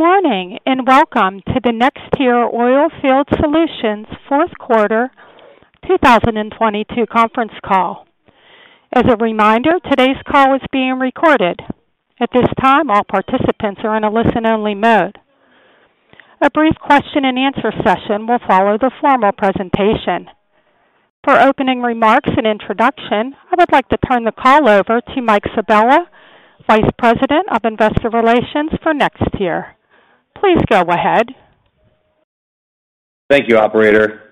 Good morning, welcome to the NexTier Oilfield Solutions fourth quarter 2022 conference call. As a reminder, today's call is being recorded. At this time, all participants are in a listen-only mode. A brief question-and-answer session will follow the formal presentation. For opening remarks and introduction, I would like to turn the call over to Mike Sabella, Vice President of Investor Relations for NexTier. Please go ahead. Thank you, operator.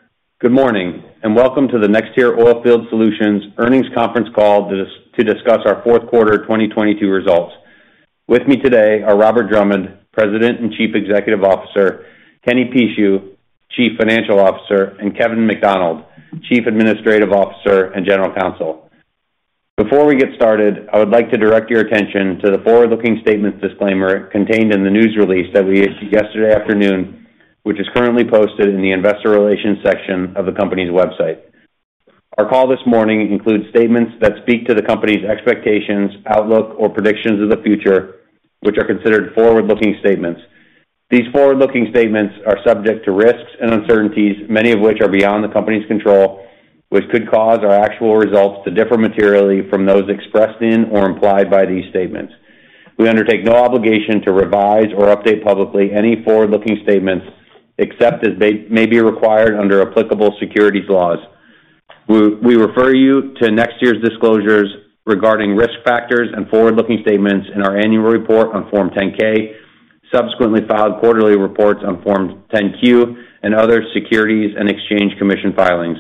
Good morning, and welcome to the NexTier Oilfield Solutions earnings conference call to discuss our fourth quarter 2022 results. With me today are Robert Drummond, President and Chief Executive Officer; Kenny Pucheu, Chief Financial Officer; and Kevin McDonald, Chief Administrative Officer and General Counsel. Before we get started, I would like to direct your attention to the forward-looking statements disclaimer contained in the news release that we issued yesterday afternoon, which is currently posted in the investor relations section of the company's website. Our call this morning includes statements that speak to the company's expectations, outlook, or predictions of the future, which are considered forward-looking statements. These forward-looking statements are subject to risks and uncertainties, many of which are beyond the company's control, which could cause our actual results to differ materially from those expressed in or implied by these statements. We undertake no obligation to revise or update publicly any forward-looking statements, except as may be required under applicable securities laws. We refer you to NexTier's disclosures regarding risk factors and forward-looking statements in our annual report on Form 10-K, subsequently filed quarterly reports on Form 10-Q, and other Securities and Exchange Commission filings.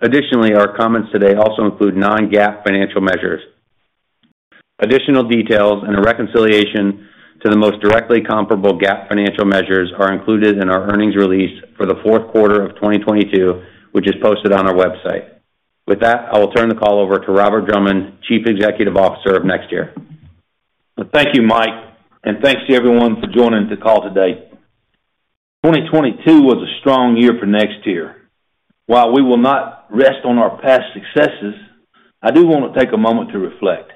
Additionally, our comments today also include non-GAAP financial measures. Additional details and a reconciliation to the most directly comparable GAAP financial measures are included in our earnings release for the fourth quarter of 2022, which is posted on our website. With that, I will turn the call over to Robert Drummond, Chief Executive Officer of NexTier. Thank you, Mike, and thanks to everyone for joining the call today. 2022 was a strong year for NexTier. While we will not rest on our past successes, I do wanna take a moment to reflect.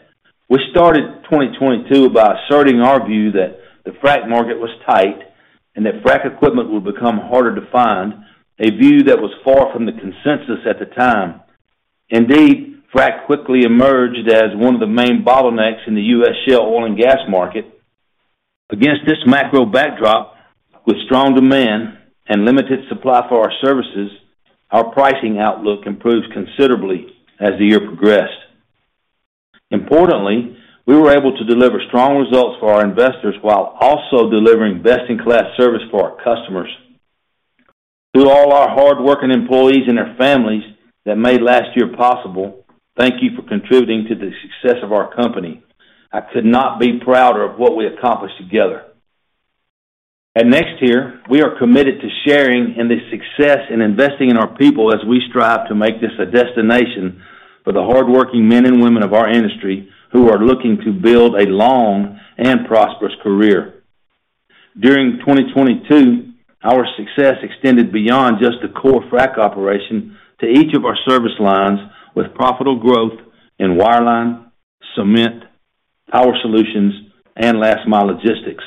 We started 2022 by asserting our view that the frack market was tight and that frack equipment would become harder to find, a view that was far from the consensus at the time. Indeed, frack quickly emerged as one of the main bottlenecks in the U.S. shale oil and gas market. Against this macro backdrop, with strong demand and limited supply for our services, our pricing outlook improved considerably as the year progressed. Importantly, we were able to deliver strong results for our investors while also delivering best-in-class service for our customers. To all our hardworking employees and their families that made last year possible, thank you for contributing to the success of our company. I could not be prouder of what we accomplished together. At NexTier, we are committed to sharing in this success and investing in our people as we strive to make this a destination for the hardworking men and women of our industry who are looking to build a long and prosperous career. During 2022, our success extended beyond just the core frack operation to each of our service lines with profitable growth in wireline, cement, Power Solutions, and last mile logistics.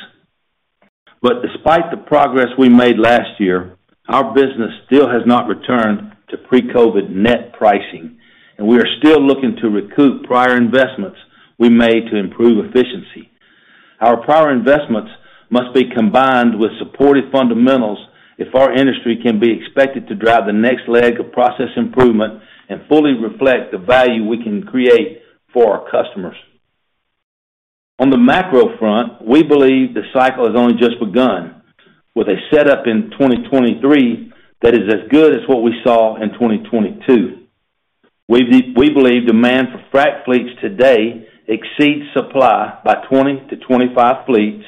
Despite the progress we made last year, our business still has not returned to pre-COVID net pricing, and we are still looking to recoup prior investments we made to improve efficiency. Our prior investments must be combined with supportive fundamentals if our industry can be expected to drive the next leg of process improvement and fully reflect the value we can create for our customers. On the macro front, we believe the cycle has only just begun, with a setup in 2023 that is as good as what we saw in 2022. We believe demand for frac fleets today exceeds supply by 20-25 fleets,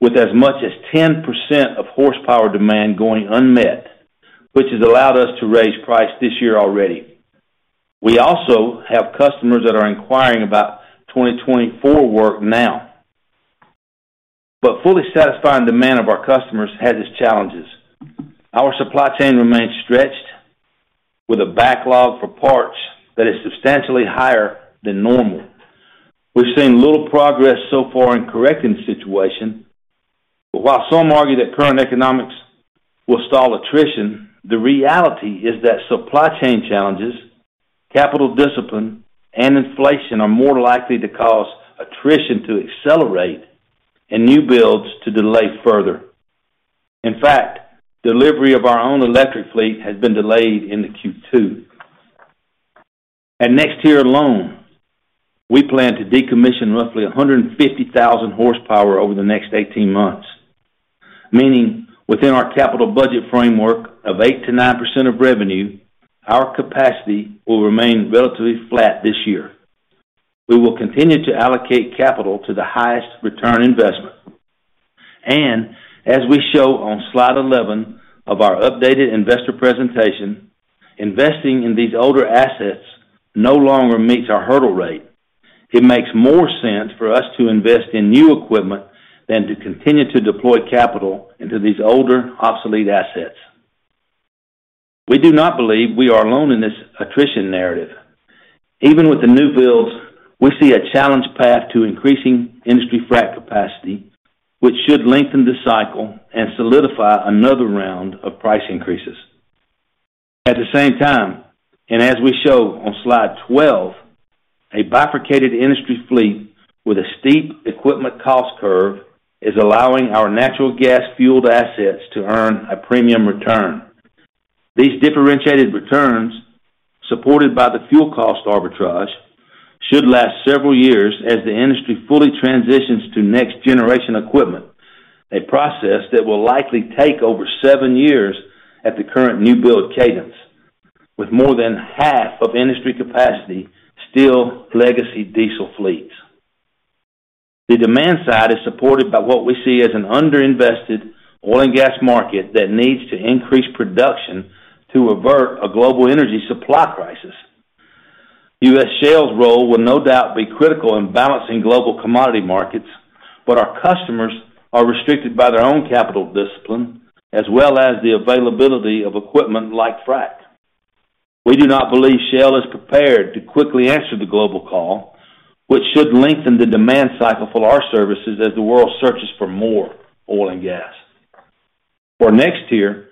with as much as 10% of horsepower demand going unmet, which has allowed us to raise price this year already. Fully satisfying demand of our customers has its challenges. Our supply chain remains stretched with a backlog for parts that is substantially higher than normal. We've seen little progress so far in correcting the situation. While some argue that current economics will stall attrition, the reality is that supply chain challenges, capital discipline, and inflation are more likely to cause attrition to accelerate and new builds to delay further. In fact, delivery of our own electric fleet has been delayed into Q2. At NexTier alone, we plan to decommission roughly 150,000 horsepower over the next 18 months, meaning within our capital budget framework of 8%-9% of revenue, our capacity will remain relatively flat this year. We will continue to allocate capital to the highest return investment. As we show on slide 11 of our updated investor presentation, investing in these older assets no longer meets our hurdle rate. It makes more sense for us to invest in new equipment than to continue to deploy capital into these older, obsolete assets. We do not believe we are alone in this attrition narrative. Even with the new builds, we see a challenged path to increasing industry frac capacity, which should lengthen the cycle and solidify another round of price increases. At the same time, and as we show on slide 12, a bifurcated industry fleet with a steep equipment cost curve is allowing our natural gas fueled assets to earn a premium return. These differentiated returns, supported by the fuel cost arbitrage, should last several years as the industry fully transitions to next generation equipment, a process that will likely take over seven years at the current new build cadence, with more than half of industry capacity still legacy diesel fleets. The demand side is supported by what we see as an under-invested oil and gas market that needs to increase production to avert a global energy supply crisis. U.S. shale's role will no doubt be critical in balancing global commodity markets, but our customers are restricted by their own capital discipline as well as the availability of equipment like frac. We do not believe shale is prepared to quickly answer the global call, which should lengthen the demand cycle for our services as the world searches for more oil and gas. For NexTier,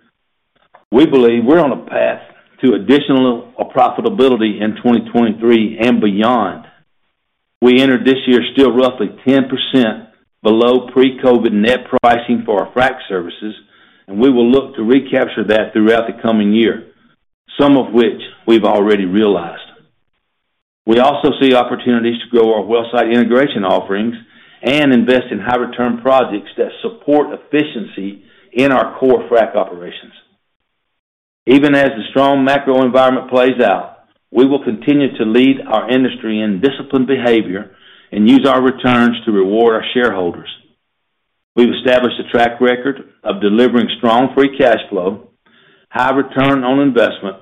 we believe we're on a path to additional profitability in 2023 and beyond. We entered this year still roughly 10% below pre-COVID net pricing for our frac services, and we will look to recapture that throughout the coming year, some of which we've already realized. We also see opportunities to grow our well site integration offerings and invest in high return projects that support efficiency in our core frac operations. Even as the strong macro environment plays out, we will continue to lead our industry in disciplined behavior and use our returns to reward our shareholders. We've established a track record of delivering strong free cash flow, high return on investment,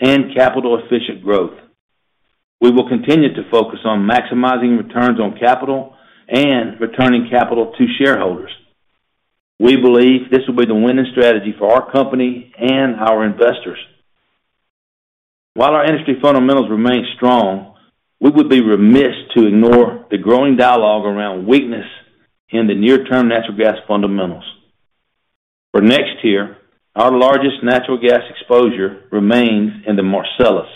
and capital efficient growth. We will continue to focus on maximizing returns on capital and returning capital to shareholders. We believe this will be the winning strategy for our company and our investors. While our industry fundamentals remain strong, we would be remiss to ignore the growing dialogue around weakness in the near term natural gas fundamentals. For NexTier, our largest natural gas exposure remains in the Marcellus.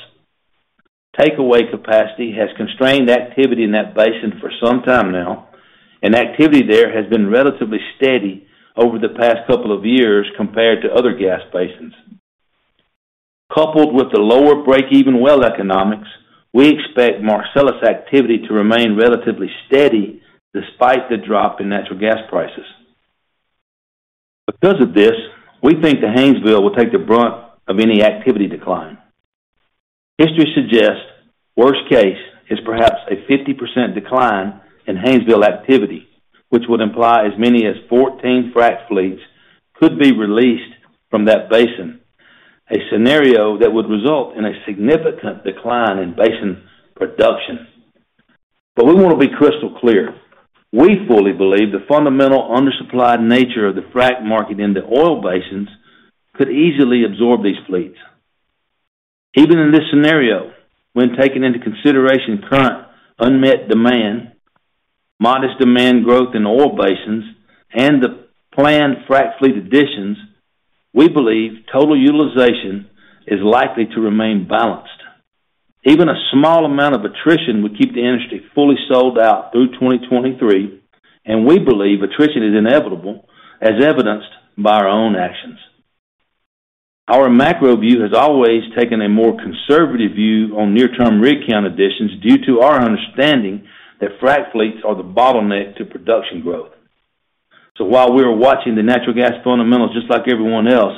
Takeaway capacity has constrained activity in that basin for some time now. Activity there has been relatively steady over the past couple of years compared to other gas basins. Coupled with the lower break-even well economics, we expect Marcellus activity to remain relatively steady despite the drop in natural gas prices. Because of this, we think the Haynesville will take the brunt of any activity decline. History suggests worst case is perhaps a 50% decline in Haynesville activity, which would imply as many as 14 frac fleets could be released from that basin, a scenario that would result in a significant decline in basin production. We wanna be crystal clear. We fully believe the fundamental undersupplied nature of the frac market in the oil basins could easily absorb these fleets. Even in this scenario, when taken into consideration current unmet demand, modest demand growth in oil basins, and the planned frac fleet additions, we believe total utilization is likely to remain balanced. Even a small amount of attrition would keep the industry fully sold out through 2023. We believe attrition is inevitable, as evidenced by our own actions. Our macro view has always taken a more conservative view on near-term rig count additions due to our understanding that frac fleets are the bottleneck to production growth. While we are watching the natural gas fundamentals just like everyone else,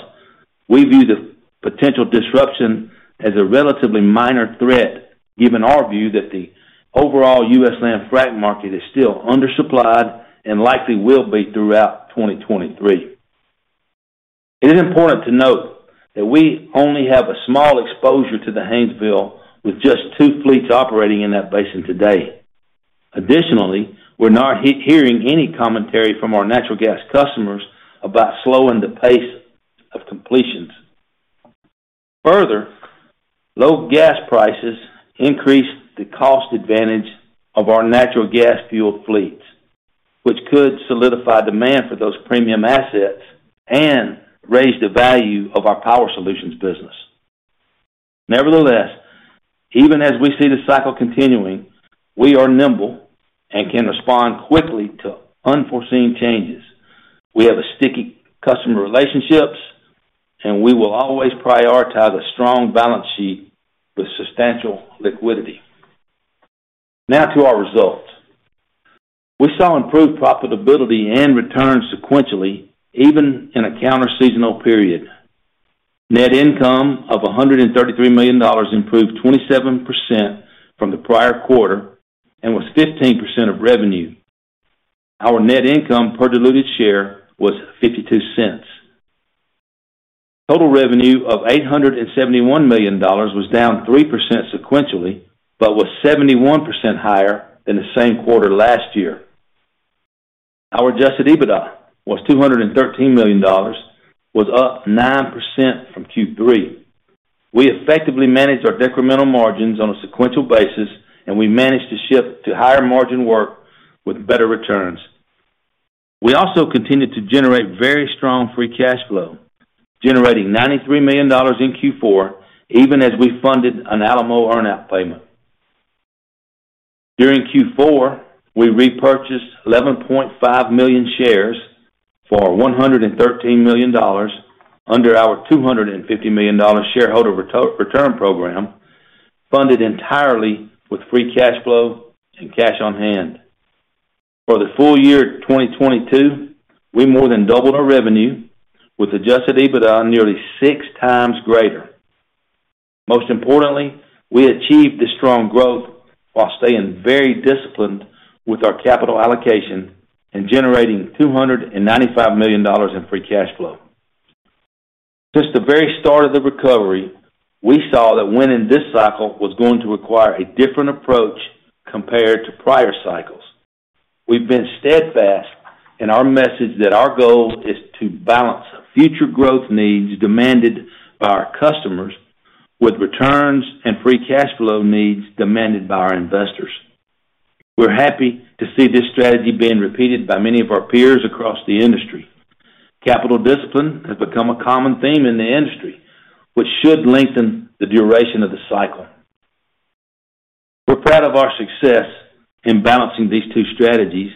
we view the potential disruption as a relatively minor threat, given our view that the overall U.S. land frac market is still undersupplied and likely will be throughout 2023. It is important to note that we only have a small exposure to the Haynesville with just 2 fleets operating in that basin today. Additionally, we're not hearing any commentary from our natural gas customers about slowing the pace of completions. Low gas prices increase the cost advantage of our natural gas fueled fleets, which could solidify demand for those premium assets and raise the value of our Power Solutions business. Even as we see the cycle continuing, we are nimble and can respond quickly to unforeseen changes. We have a sticky customer relationships, and we will always prioritize a strong balance sheet with substantial liquidity. To our results. We saw improved profitability and return sequentially, even in a counter seasonal period. Net income of $133 million improved 27% from the prior quarter and was 15% of revenue. Our net income per diluted share was $0.52. Total revenue of $871 million was down 3% sequentially. Was 71% higher than the same quarter last year. Our adjusted EBITDA was $213 million, was up 9% from Q3. We effectively managed our incremental margins on a sequential basis, and we managed to ship to higher margin work with better returns. We also continued to generate very strong free cash flow, generating $93 million in Q4, even as we funded an Alamo earn out payment. During Q4, we repurchased 11.5 million shares for $113 million under our $250 million shareholder return program, funded entirely with free cash flow and cash on hand. For the full year 2022, we more than doubled our revenue with adjusted EBITDA nearly six times greater. Most importantly, we achieved this strong growth while staying very disciplined with our capital allocation and generating $295 million in free cash flow. Since the very start of the recovery, we saw that winning this cycle was going to require a different approach compared to prior cycles. We've been steadfast in our message that our goal is to balance future growth needs demanded by our customers with returns and free cash flow needs demanded by our investors. We're happy to see this strategy being repeated by many of our peers across the industry. Capital discipline has become a common theme in the industry, which should lengthen the duration of the cycle. We're proud of our success in balancing these two strategies,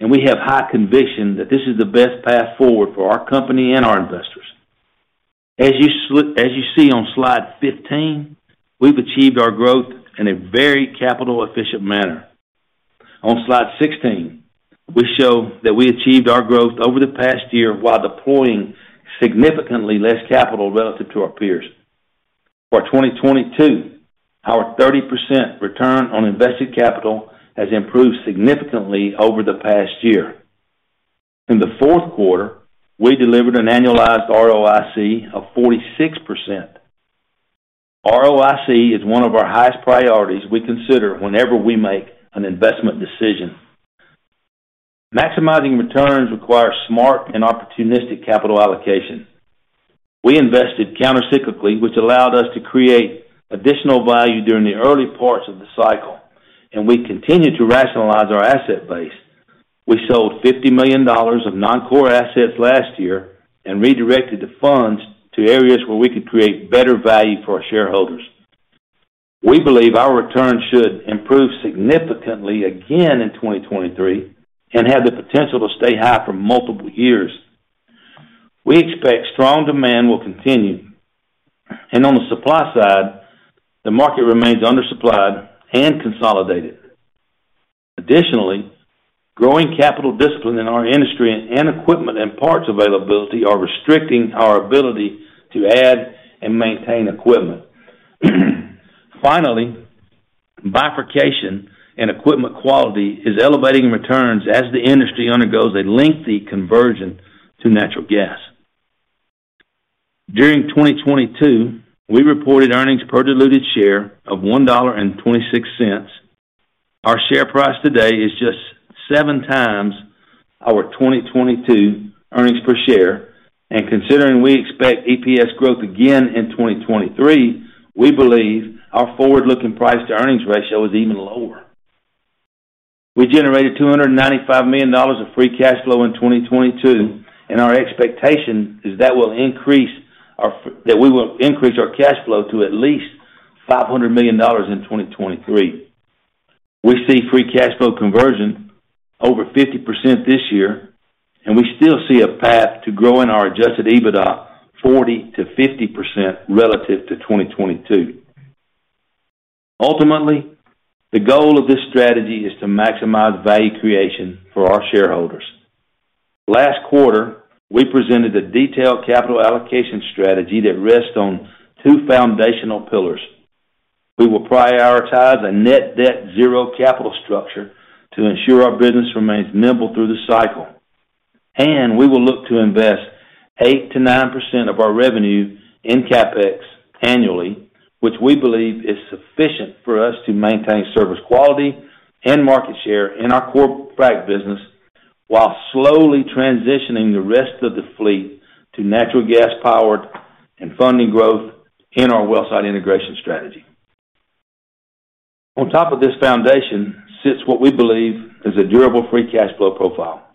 and we have high conviction that this is the best path forward for our company and our investors. As you see on slide 15, we've achieved our growth in a very capital efficient manner. On slide 16, we show that we achieved our growth over the past year while deploying significantly less capital relative to our peers. For 2022, our 30% return on invested capital has improved significantly over the past year. In the fourth quarter, we delivered an annualized ROIC of 46%. ROIC is one of our highest priorities we consider whenever we make an investment decision. Maximizing returns requires smart and opportunistic capital allocation. We invested counter-cyclically, which allowed us to create additional value during the early parts of the cycle, and we continued to rationalize our asset base. We sold $50 million of non-core assets last year and redirected the funds to areas where we could create better value for our shareholders. We believe our returns should improve significantly again in 2023 and have the potential to stay high for multiple years. We expect strong demand will continue, and on the supply side, the market remains undersupplied and consolidated. Additionally, growing capital discipline in our industry and equipment and parts availability are restricting our ability to add and maintain equipment. Finally, bifurcation in equipment quality is elevating returns as the industry undergoes a lengthy conversion to natural gas. During 2022, we reported earnings per diluted share of $1.26. Our share price today is just seven times our 2022 earnings per share. Considering we expect EPS growth again in 2023, we believe our forward-looking price-to-earnings ratio is even lower. We generated $295 million of free cash flow in 2022, our expectation is that we will increase our cash flow to at least $500 million in 2023. We see free cash flow conversion over 50% this year, we still see a path to growing our adjusted EBITDA 40%-50% relative to 2022. Ultimately, the goal of this strategy is to maximize value creation for our shareholders. Last quarter, we presented a detailed capital allocation strategy that rests on two foundational pillars. We will prioritize a net debt zero capital structure to ensure our business remains nimble through the cycle. We will look to invest 8%-9% of our revenue in CapEx annually, which we believe is sufficient for us to maintain service quality and market share in our core frac business, while slowly transitioning the rest of the fleet to natural gas powered and funding growth in our well site integration strategy. On top of this foundation sits what we believe is a durable free cash flow profile.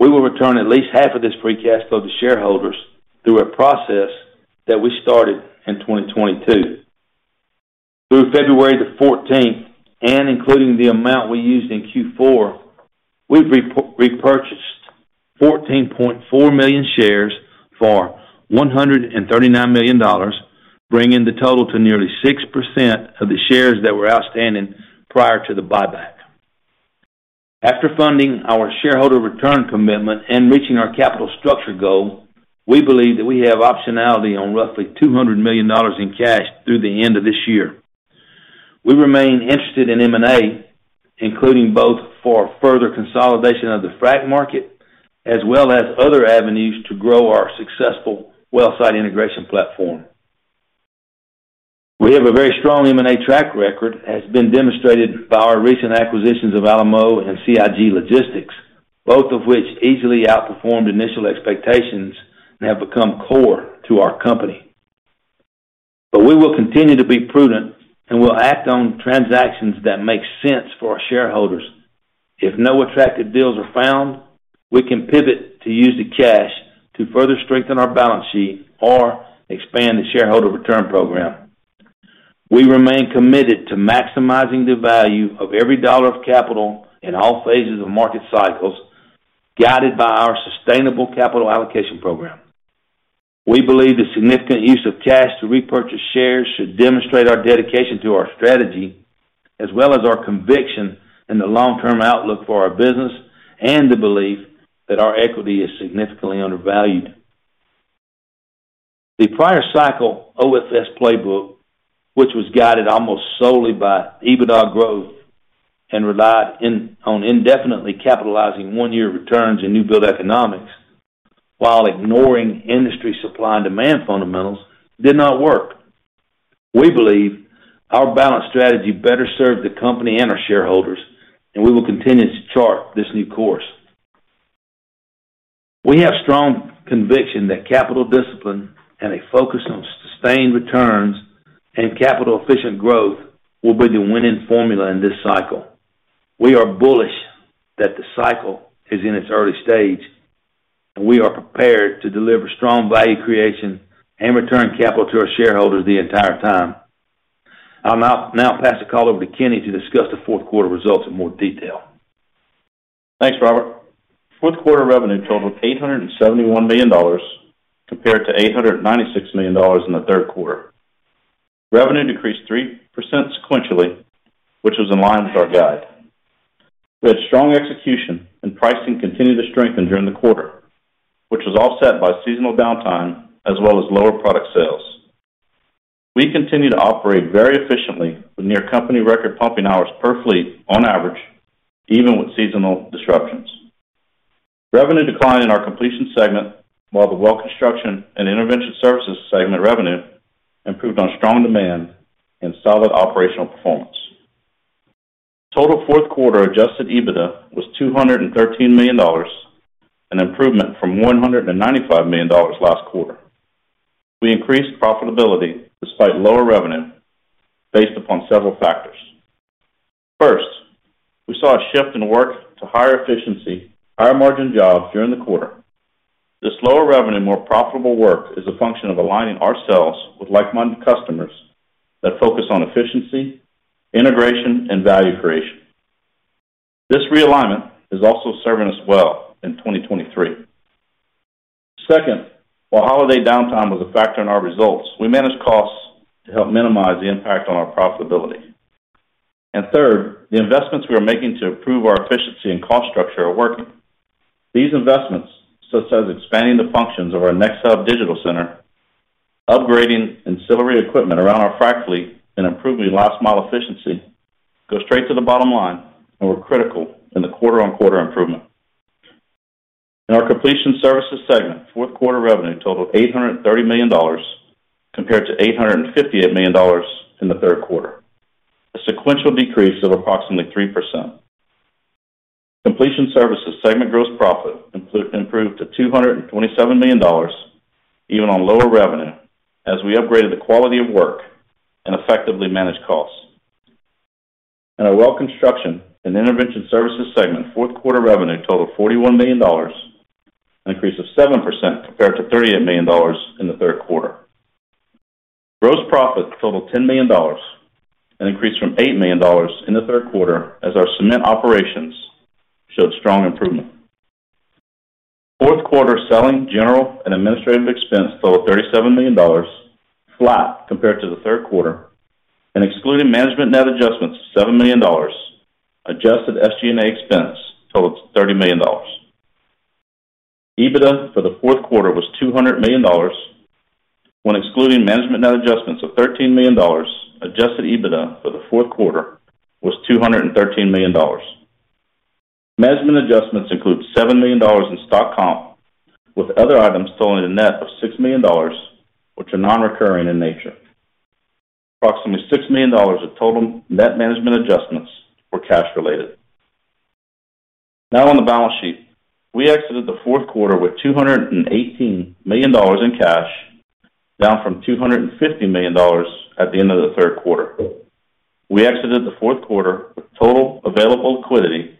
We will return at least half of this free cash flow to shareholders through a process that we started in 2022. Through February 14th, and including the amount we used in Q4, we've repurchased 14.4 million shares for $139 million, bringing the total to nearly 6% of the shares that were outstanding prior to the buyback. After funding our shareholder return commitment and reaching our capital structure goal, we believe that we have optionality on roughly $200 million in cash through the end of this year. We remain interested in M&A, including both for further consolidation of the frac market as well as other avenues to grow our successful well site integration platform. We have a very strong M&A track record, as been demonstrated by our recent acquisitions of Alamo and CIG Logistics, both of which easily outperformed initial expectations and have become core to our company. We will continue to be prudent, and we'll act on transactions that make sense for our shareholders. If no attractive deals are found, we can pivot to use the cash to further strengthen our balance sheet or expand the shareholder return program. We remain committed to maximizing the value of every dollar of capital in all phases of market cycles, guided by our sustainable capital allocation program. We believe the significant use of cash to repurchase shares should demonstrate our dedication to our strategy, as well as our conviction in the long-term outlook for our business and the belief that our equity is significantly undervalued. The prior cycle, OFS playbook, which was guided almost solely by EBITDA growth and relied on indefinitely capitalizing year of returns in new build economics while ignoring industry supply and demand fundamentals, did not work. We believe our balanced strategy better serves the company and our shareholders. We will continue to chart this new course. We have strong conviction that capital discipline and a focus on sustained returns and capital efficient growth will be the winning formula in this cycle. We are bullish that the cycle is in its early stage, and we are prepared to deliver strong value creation and return capital to our shareholders the entire time. I'll now pass the call over to Kenny to discuss the fourth quarter results in more detail. Thanks, Robert. Fourth quarter revenue totaled $871 million compared to $896 million in the third quarter. Revenue decreased 3% sequentially, which was in line with our guide. We had strong execution and pricing continued to strengthen during the quarter, which was offset by seasonal downtime as well as lower product sales. We continue to operate very efficiently with near company record pumping hours per fleet on average, even with seasonal disruptions. Revenue declined in our completion segment while the well construction and intervention services segment revenue improved on strong demand and solid operational performance. Total fourth quarter adjusted EBITDA was $213 million, an improvement from $195 million last quarter. We increased profitability despite lower revenue based upon several factors. First, we saw a shift in work to higher efficiency, higher margin jobs during the quarter. This lower revenue, more profitable work is a function of aligning ourselves with like-minded customers that focus on efficiency, integration, and value creation. This realignment is also serving us well in 2023. Second, while holiday downtime was a factor in our results, we managed costs to help minimize the impact on our profitability. Third, the investments we are making to improve our efficiency and cost structure are working. These investments, such as expanding the functions of our NextHub Digital Center, upgrading ancillary equipment around our frac fleet, and improving last mile efficiency, go straight to the bottom line and were critical in the quarter-on-quarter improvement. In our completion services segment, fourth quarter revenue totaled $830 million compared to $858 million in the third quarter, a sequential decrease of approximately 3%. Completion services segment gross profit improved to $227 million, even on lower revenue, as we upgraded the quality of work and effectively managed costs. In our well construction and intervention services segment, fourth quarter revenue totaled $41 million, an increase of 7% compared to $38 million in the third quarter. Gross profit totaled $10 million, an increase from $8 million in the third quarter as our cement operations showed strong improvement. Fourth quarter selling, general, and administrative expense totaled $37 million, flat compared to the third quarter. Excluding management net adjustments of $7 million, adjusted SG&A expense totaled $30 million. EBITDA for the fourth quarter was $200 million. Excluding management net adjustments of $13 million, adjusted EBITDA for the fourth quarter was $213 million. Management adjustments include $7 million in stock comp, with other items totaling a net of $6 million, which are non-recurring in nature. Approximately $6 million of total net management adjustments were cash related. On the balance sheet. We exited the fourth quarter with $218 million in cash, down from $250 million at the end of the third quarter. We exited the fourth quarter with total available liquidity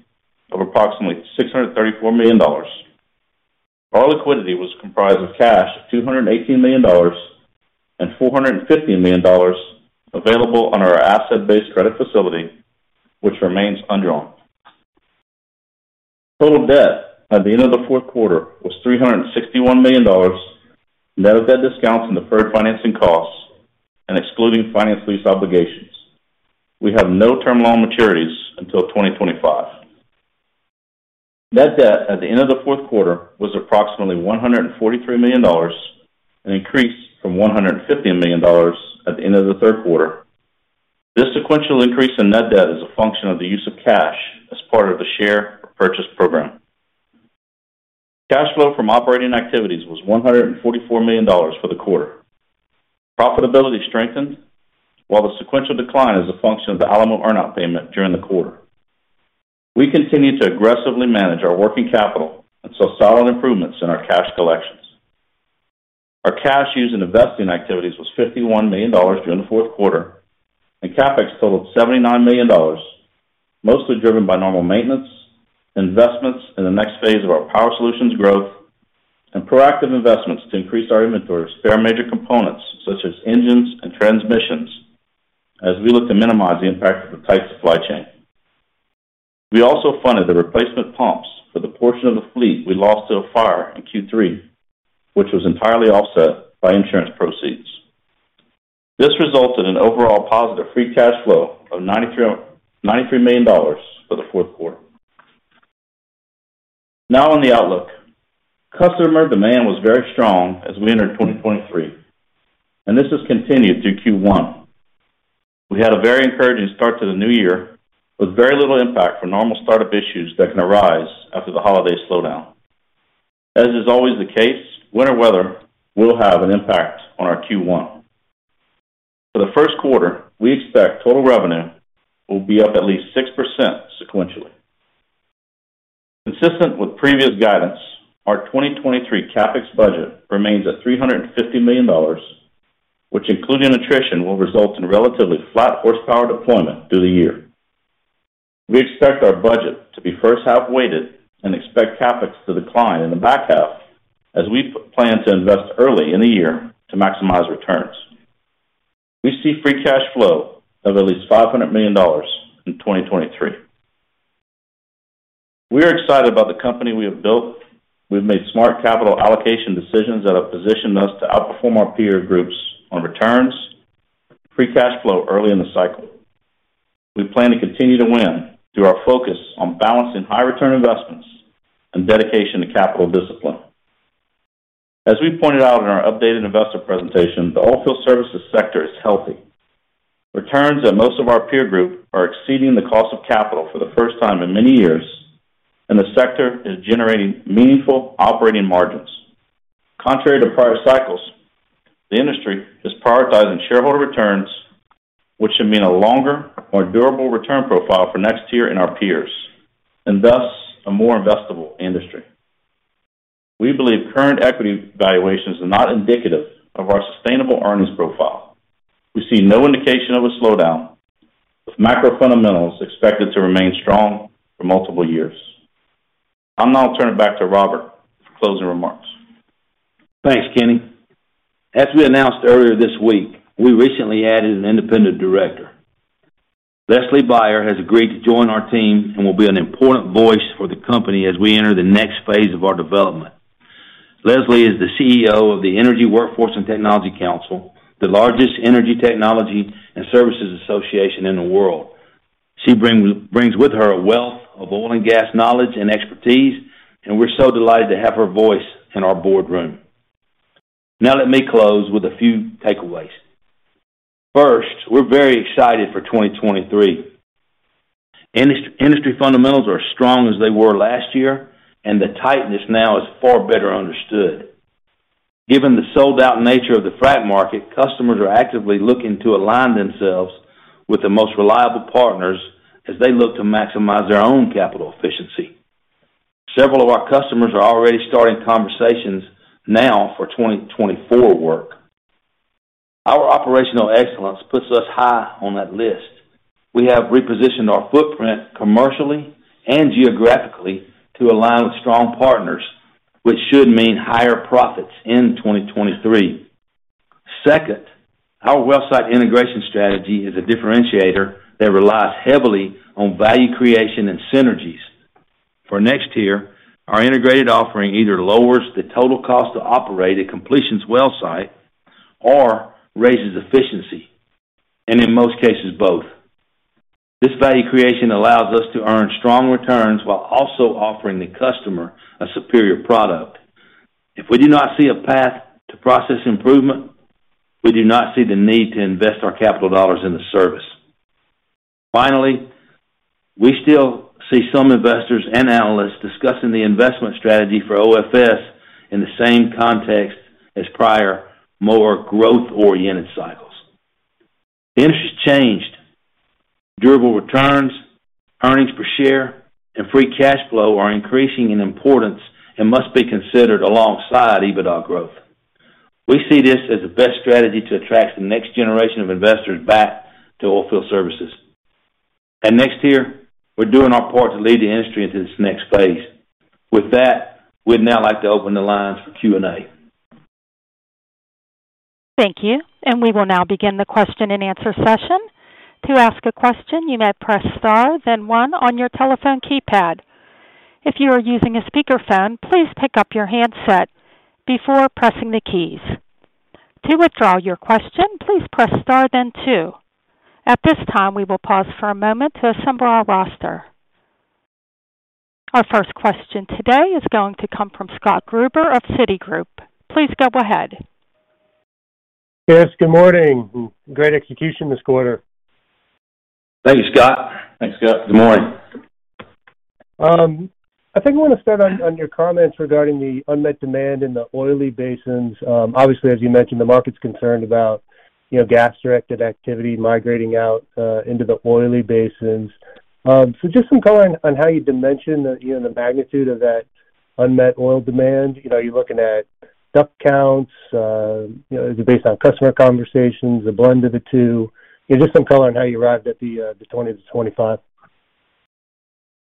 of approximately $634 million. Our liquidity was comprised of cash of $218 million and $415 million available on our asset-based credit facility, which remains undrawn. Total debt at the end of the fourth quarter was $361 million, net of debt discounts and deferred financing costs, and excluding finance lease obligations. We have no term loan maturities until 2025. Net debt at the end of the fourth quarter was approximately $143 million, an increase from $150 million at the end of the third quarter. This sequential increase in net debt is a function of the use of cash as part of the share repurchase program. Cash flow from operating activities was $144 million for the quarter. Profitability strengthened while the sequential decline is a function of the Alamo earn-out payment during the quarter. We continue to aggressively manage our working capital and saw solid improvements in our cash collections. Our cash used in investing activities was $51 million during the fourth quarter, and CapEx totaled $79 million, mostly driven by normal maintenance, investments in the next phase of our Power Solutions growth, and proactive investments to increase our inventory of spare major components such as engines and transmissions as we look to minimize the impact of the tight supply chain. We also funded the replacement pumps for the portion of the fleet we lost to a fire in Q3, which was entirely offset by insurance proceeds. This resulted in overall positive free cash flow of $93 million for the fourth quarter. Now on the outlook. Customer demand was very strong as we entered 2023, and this has continued through Q1. We had a very encouraging start to the new year with very little impact from normal startup issues that can arise after the holiday slowdown. As is always the case, winter weather will have an impact on our Q1. For the first quarter, we expect total revenue will be up at least 6% sequentially. Consistent with previous guidance, our 2023 CapEx budget remains at $350 million, which including attrition, will result in relatively flat horsepower deployment through the year. We expect our budget to be first half weighted and expect CapEx to decline in the back half as we plan to invest early in the year to maximize returns. We see free cash flow of at least $500 million in 2023. We are excited about the company we have built. We've made smart capital allocation decisions that have positioned us to outperform our peer groups on returns, free cash flow early in the cycle. We plan to continue to win through our focus on balancing high return investments and dedication to capital discipline. As we pointed out in our updated investor presentation, the oilfield services sector is healthy. Returns at most of our peer group are exceeding the cost of capital for the first time in many years, and the sector is generating meaningful operating margins. Contrary to prior cycles, the industry is prioritizing shareholder returns, which should mean a longer, more durable return profile for NexTier and our peers, and thus a more investable industry. We believe current equity valuations are not indicative of our sustainable earnings profile. We see no indication of a slowdown, with macro fundamentals expected to remain strong for multiple years. I'll now turn it back to Robert for closing remarks. Thanks, Kenny. As we announced earlier this week, we recently added an independent director. Leslie Beyer has agreed to join our team and will be an important voice for the company as we enter the next phase of our development. Leslie is the CEO of the Energy Workforce and Technology Council, the largest energy technology and services association in the world. She brings with her a wealth of oil and gas knowledge and expertise. We're so delighted to have her voice in our boardroom. Let me close with a few takeaways. We're very excited for 2023. Industry fundamentals are as strong as they were last year. The tightness now is far better understood. Given the sold-out nature of the frac market, customers are actively looking to align themselves with the most reliable partners as they look to maximize their own capital efficiency. Several of our customers are already starting conversations now for 2024 work. Our operational excellence puts us high on that list. We have repositioned our footprint commercially and geographically to align with strong partners, which should mean higher profits in 2023. Our well site integration strategy is a differentiator that relies heavily on value creation and synergies. For NexTier, our integrated offering either lowers the total cost to operate a completions well site or raises efficiency, and in most cases, both. This value creation allows us to earn strong returns while also offering the customer a superior product. If we do not see a path to process improvement, we do not see the need to invest our capital dollars in the service. We still see some investors and analysts discussing the investment strategy for OFS in the same context as prior, more growth-oriented cycles. The industry's changed. Durable returns, earnings per share, and free cash flow are increasing in importance and must be considered alongside EBITDA growth. We see this as the best strategy to attract the next generation of investors back to oilfield services. At NexTier, we're doing our part to lead the industry into this next phase. With that, we'd now like to open the lines for Q&A. Thank you. We will now begin the question and answer session. To ask a question, you may press star then one on your telephone keypad. If you are using a speaker phone, please pick up your handset before pressing the keys. To withdraw your question, please press star then two. At this time, we will pause for a moment to assemble our roster. Our first question today is going to come from Scott Gruber of Citigroup. Please go ahead. Yes, good morning. Great execution this quarter. Thank you, Scott. Thanks, Scott. Good morning. I think I want to start on your comments regarding the unmet demand in the oily basins. Obviously, as you mentioned, the market's concerned about, you know, gas-directed activity migrating out, into the oily basins. Just some color on how you dimension, you know, the magnitude of that unmet oil demand. You know, are you looking at DUC counts, you know, is it based on customer conversations, a blend of the two? You know, just some color on how you arrived at the 20-25?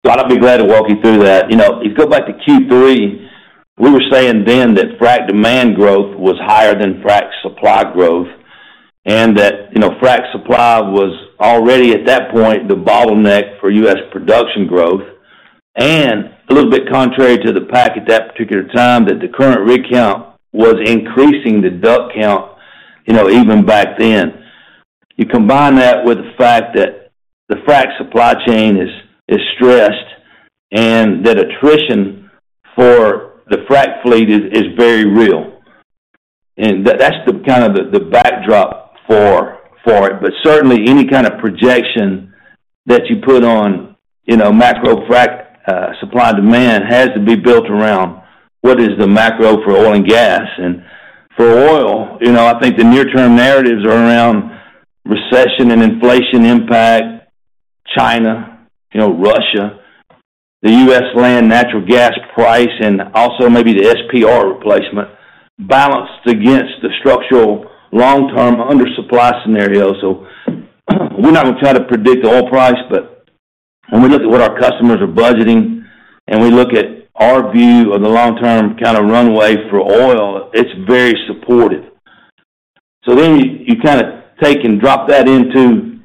Scott, I'd be glad to walk you through that. You know, if you go back to Q3, we were saying then that frac demand growth was higher than frac supply growth, and that, you know, frac supply was already, at that point, the bottleneck for U.S. production growth. A little bit contrary to the pack at that particular time, that the current rig count was increasing the DUC count, you know, even back then. You combine that with the fact that the frac supply chain is stressed and that attrition for the frac fleet is very real. That's the kind of the backdrop for it. Certainly any kind of projection that you put on, you know, macro frac supply and demand has to be built around what is the macro for oil and gas. For oil, you know, I think the near-term narratives are around recession and inflation impact, China, you know, Russia, the U.S. land natural gas price, and also maybe the SPR replacement balanced against the structural long-term undersupply scenario. We're not gonna try to predict the oil price, but when we look at what our customers are budgeting and we look at our view of the long-term kind of runway for oil, it's very supportive. You kind of take and drop that into,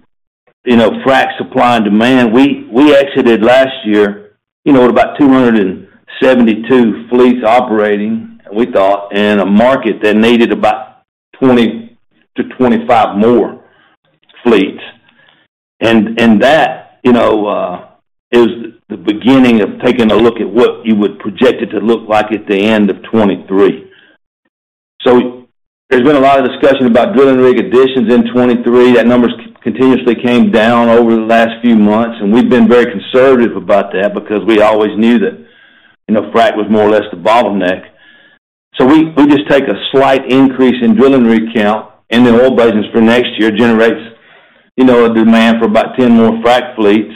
you know, frac supply and demand. We exited last year, you know, with about 272 fleets operating, we thought, in a market that needed about 20-25 more fleets. That, you know, is the beginning of taking a look at what you would project it to look like at the end of 2023. There's been a lot of discussion about drilling rig additions in 2023. That number's continuously came down over the last few months, and we've been very conservative about that because we always knew that, you know, frack was more or less the bottleneck. We just take a slight increase in drilling rig count in the oil business for next year generates, you know, a demand for about 10 more frac fleets.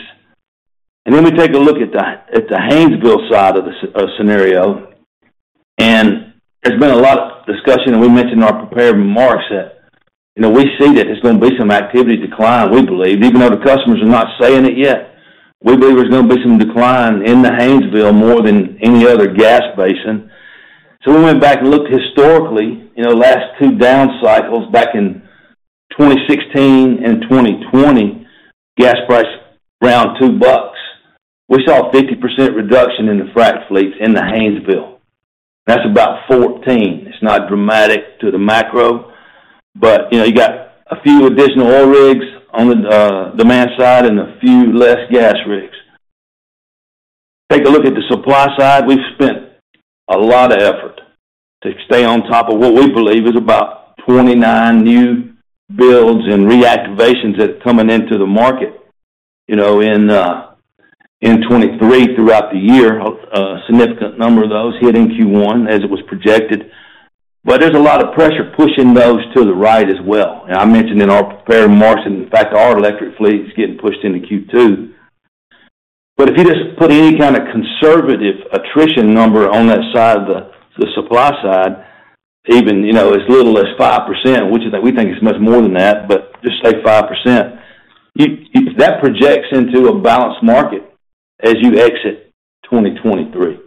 We take a look at the, at the Haynesville side of the scenario. There's been a lot of discussion, we mentioned in our prepared remarks that, you know, we see that there's gonna be some activity decline, we believe. Even though the customers are not saying it yet, we believe there's gonna be some decline in the Haynesville more than any other gas basin. We went back and looked historically, you know, last two down cycles back in 2016 and 2020, gas price around $2. We saw a 50% reduction in the frac fleets in the Haynesville. That's about 14. It's not dramatic to the macro, but, you know, you got a few additional oil rigs on the demand side and a few less gas rigs. Take a look at the supply side. We've spent a lot of effort to stay on top of what we believe is about 29 new builds and reactivations that's coming into the market, you know, in 2023 throughout the year. A significant number of those hit in Q1 as it was projected. There's a lot of pressure pushing those to the right as well. I mentioned in our prepared remarks, in fact, our electric fleet is getting pushed into Q2. If you just put any kind of conservative attrition number on that side of the supply side, even, you know, as little as 5%, which is that we think is much more than that, but just say 5%, you that projects into a balanced market as you exit 2023.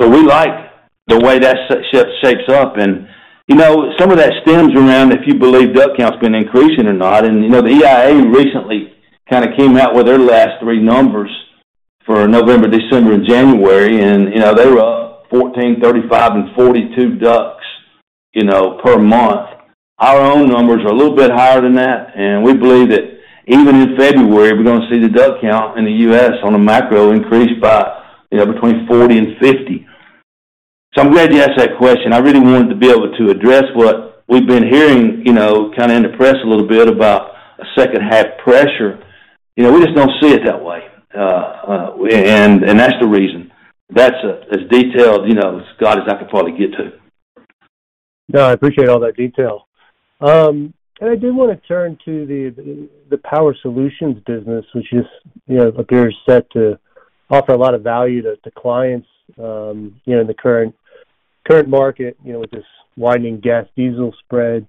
We like the way that shapes up. You know, some of that stems around if you believe DUC count's been increasing or not. You know, the EIA recently kind of came out with their last three numbers for November, December and January, and, you know, they were up 14, 35, and 42 DUCs, you know, per month. Our own numbers are a little bit higher than that, and we believe that even in February, we're gonna see the DUC count in the US on a macro increase by, you know, between 40 and 50. I'm glad you asked that question. I really wanted to be able to address what we've been hearing, you know, kind of in the press a little bit about a second half pressure. You know, we just don't see it that way. And that's the reason. That's as detailed, you know, Scott, as I could probably get to. No, I appreciate all that detail. I did want to turn to the Power Solutions business, which is, you know, appears set to offer a lot of value to clients, you know, in the current market, you know, with this widening gas-diesel spread.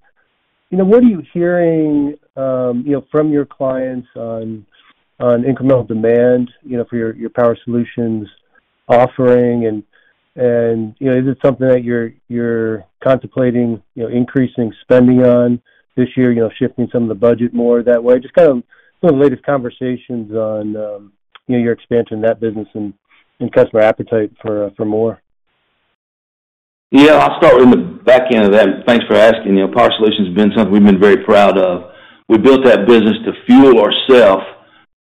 What are you hearing, you know, from your clients on incremental demand, you know, for your Power Solutions offering? Is it something that you're contemplating, you know, increasing spending on this year? Shifting some of the budget more that way? Just kind of what are the latest conversations on, you know, your expansion in that business and customer appetite for more. Yeah. I'll start with the back end of that, thanks for asking. You know, Power Solutions has been something we've been very proud of. We built that business to fuel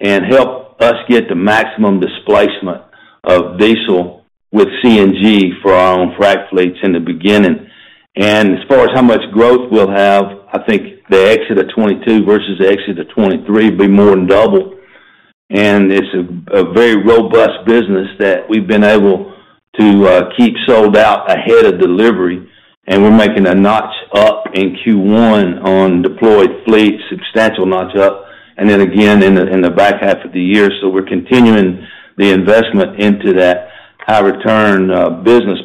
and help us get the maximum displacement of diesel with CNG for our own frac fleets in the beginning. As far as how much growth we'll have, I think the exit of 2022 versus the exit of 2023 will be more than double. It's a very robust business that we've been able to keep sold out ahead of delivery. We're making a notch up in Q1 on deployed fleet, substantial notch up, and then again in the, in the back half of the year. We're continuing the investment into that high return business.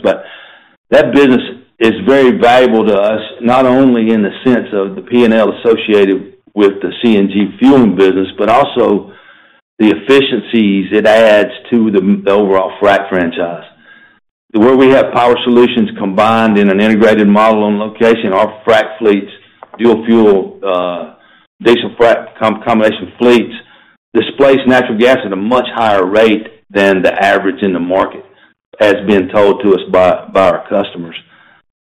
That business is very valuable to us, not only in the sense of the P&L associated with the CNG fueling business, but also the efficiencies it adds to the overall frack franchise. Where we have Power Solutions combined in an integrated model on location, our frac fleets dual-fuel diesel frack combination fleets displace natural gas at a much higher rate than the average in the market, as being told to us by our customers.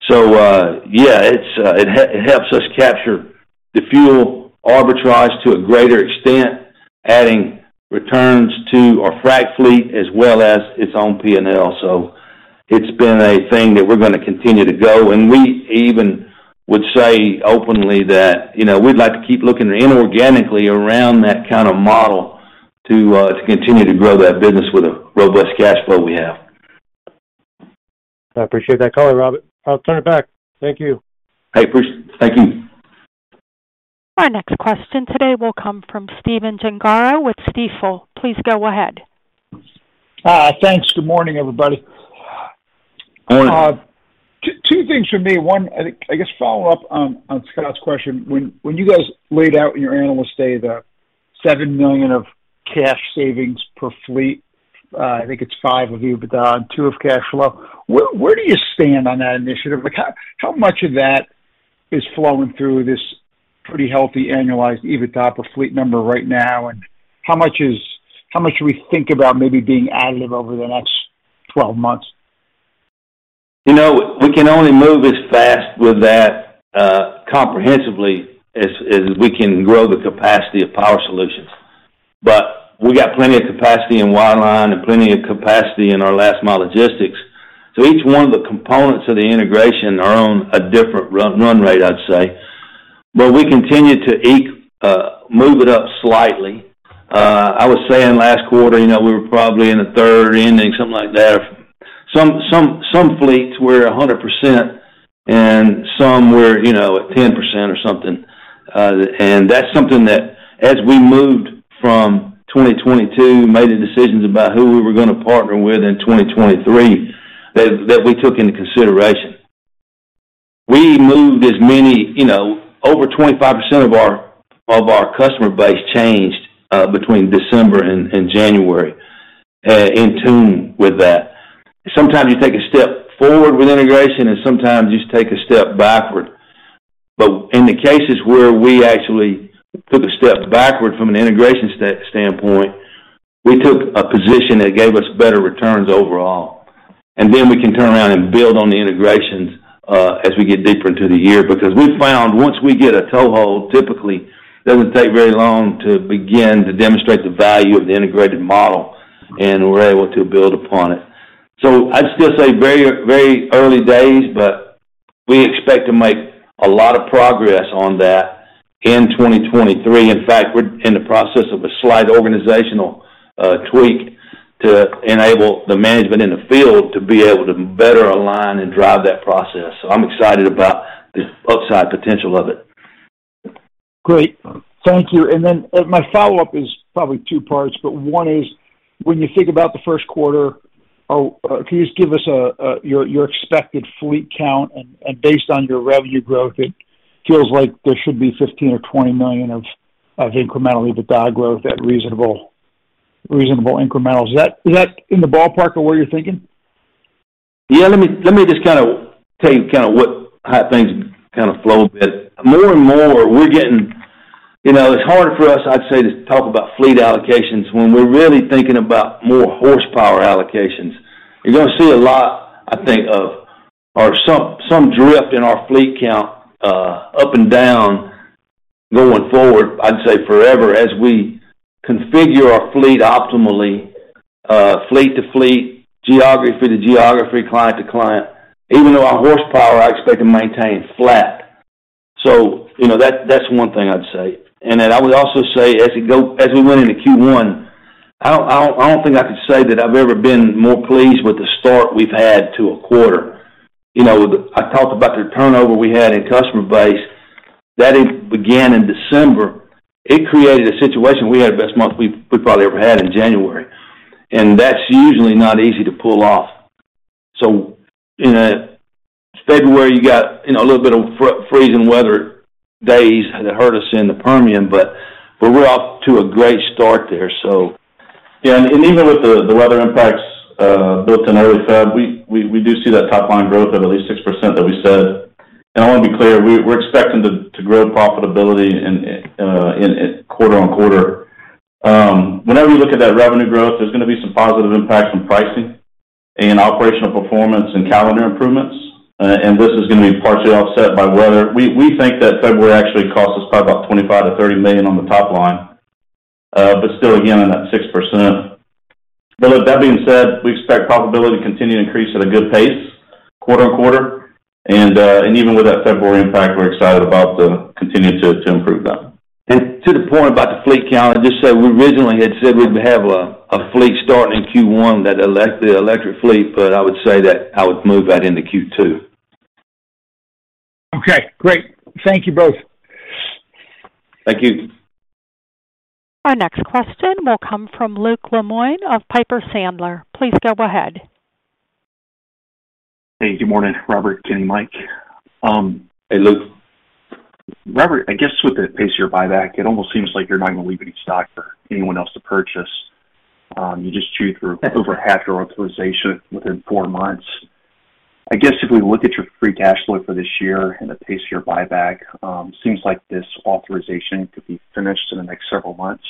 Yeah, it helps us capture the fuel arbitrage to a greater extent, adding returns to our frac fleet as well as its own P&L. It's been a thing that we're gonna continue to go, and we even would say openly that, you know, we'd like to keep looking inorganically around that kind of model to continue to grow that business with the robust cash flow we have. I appreciate that color, Robert. I'll turn it back. Thank you. Thank you. Our next question today will come from Stephen Gengaro with Stifel. Please go ahead. Thanks. Good morning, everybody. Morning. Two things from me. One, I guess follow-up on Scott's question. When you guys laid out in your annual state, $7 million of cash savings per fleet, I think it's $5 of EBITDA and $2 of cash flow, where do you stand on that initiative? Like, how much of that is flowing through this pretty healthy annualized EBITDA per fleet number right now? How much should we think about maybe being additive over the next 12 months? You know, we can only move as fast with that, comprehensively as we can grow the capacity of Power Solutions. We got plenty of capacity in wireline and plenty of capacity in our last mile logistics. Each one of the components of the integration are on a different run rate, I'd say. We continue to eke, move it up slightly. I was saying last quarter, you know, we were probably in the third inning, something like that. Some fleets were 100% and some were, you know, at 10% or something. That's something that as we moved from 2022, made the decisions about who we were gonna partner with in 2023, that we took into consideration. We moved as many, you know over 25% of our customer base changed between December and January in tune with that. Sometimes you take a step forward with integration and sometimes you just take a step backward. In the cases where we actually took a step backward from an integration standpoint, we took a position that gave us better returns overall. Then we can turn around and build on the integrations as we get deeper into the year. We found once we get a toehold, typically, it doesn't take very long to begin to demonstrate the value of the integrated model, and we're able to build upon it. I'd still say very early days, but we expect to make a lot of progress on that in 2023. In fact, we're in the process of a slight organizational tweak to enable the management in the field to be able to better align and drive that process. I'm excited about the upside potential of it. Great. Thank you. My follow-up is probably two parts, but one is, when you think about the first quarter, can you just give us your expected fleet count and, based on your revenue growth, it feels like there should be $15 million or $20 million of incremental EBITDA growth at reasonable incrementals. Is that in the ballpark of where you're thinking? Yeah. Let me just kinda tell you kinda how things kinda flow a bit. More and more, we're getting... You know, it's harder for us, I'd say, to talk about fleet allocations when we're really thinking about more horsepower allocations. You're gonna see a lot, I think, of or some drift in our fleet count up and down going forward, I'd say forever, as we configure our fleet optimally fleet to fleet, geography to geography, client to client, even though our horsepower I expect to maintain flat. You know, that's one thing I'd say. I would also say as we went into Q1, I don't think I could say that I've ever been more pleased with the start we've had to a quarter. You know, I talked about the turnover we had in customer base, that it began in December. It created a situation, we had the best month we probably ever had in January. That's usually not easy to pull off. In February, you got, you know, a little bit of freezing weather days that hurt us in the Permian, but we're off to a great start there, so. Yeah. Even with the weather impacts, built in early February, we do see that top line growth of at least 6% that we said. I wanna be clear, we're expecting to grow profitability in quarter on quarter. Whenever you look at that revenue growth, there's gonna be some positive impacts from pricing and operational performance and calendar improvements. This is gonna be partially offset by weather. We think that February actually cost us probably about $25 million-$30 million on the top line, but still again on that 6%. With that being said, we expect profitability to continue to increase at a good pace quarter on quarter, even with that February impact, we're excited about continuing to improve that. To the point about the fleet count, I'd just say we originally had said we'd have a fleet starting in Q1 that the electric fleet, but I would say that I would move that into Q2. Okay, great. Thank you both. Thank you. Our next question will come from Luke Lemoine of Piper Sandler. Please go ahead. Hey, good morning, Robert and Mike. Hey, Luke. Robert, I guess with the pace of your buyback, it almost seems like you're not gonna leave any stock for anyone else to purchase. You just chewed through over half your authorization within four months. I guess if we look at your free cash flow for this year and the pace of your buyback, seems like this authorization could be finished in the next several months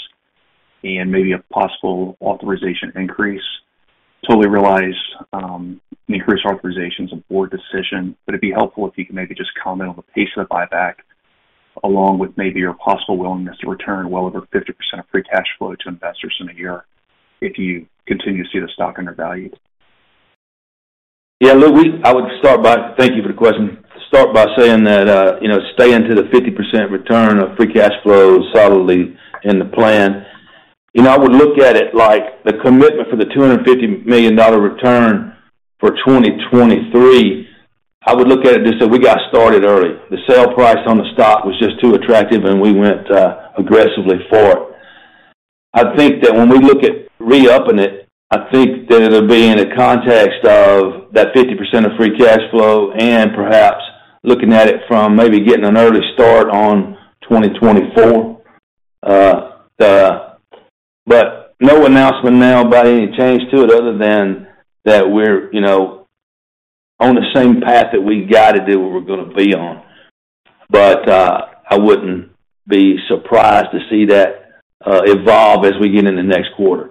and maybe a possible authorization increase. Totally realize, increased authorization is a board decision, but it'd be helpful if you could maybe just comment on the pace of the buyback, along with maybe your possible willingness to return well over 50% of free cash flow to investors in a year if you continue to see the stock undervalued. Yeah. Luke, I would start by. Thank you for the question. Start by saying that, you know, staying to the 50% return of free cash flow solidly in the plan. You know, I would look at it like the commitment for the $250 million return for 2023, I would look at it just so we got started early. The sale price on the stock was just too attractive. We went aggressively for it. I think that when we look at re-upping it, I think that it'll be in the context of that 50% of free cash flow. Perhaps looking at it from maybe getting an early start on 2024. no announcement now about any change to it other than that we're, you know, on the same path that we gotta do what we're gonna be on. I wouldn't be surprised to see that evolve as we get in the next quarter.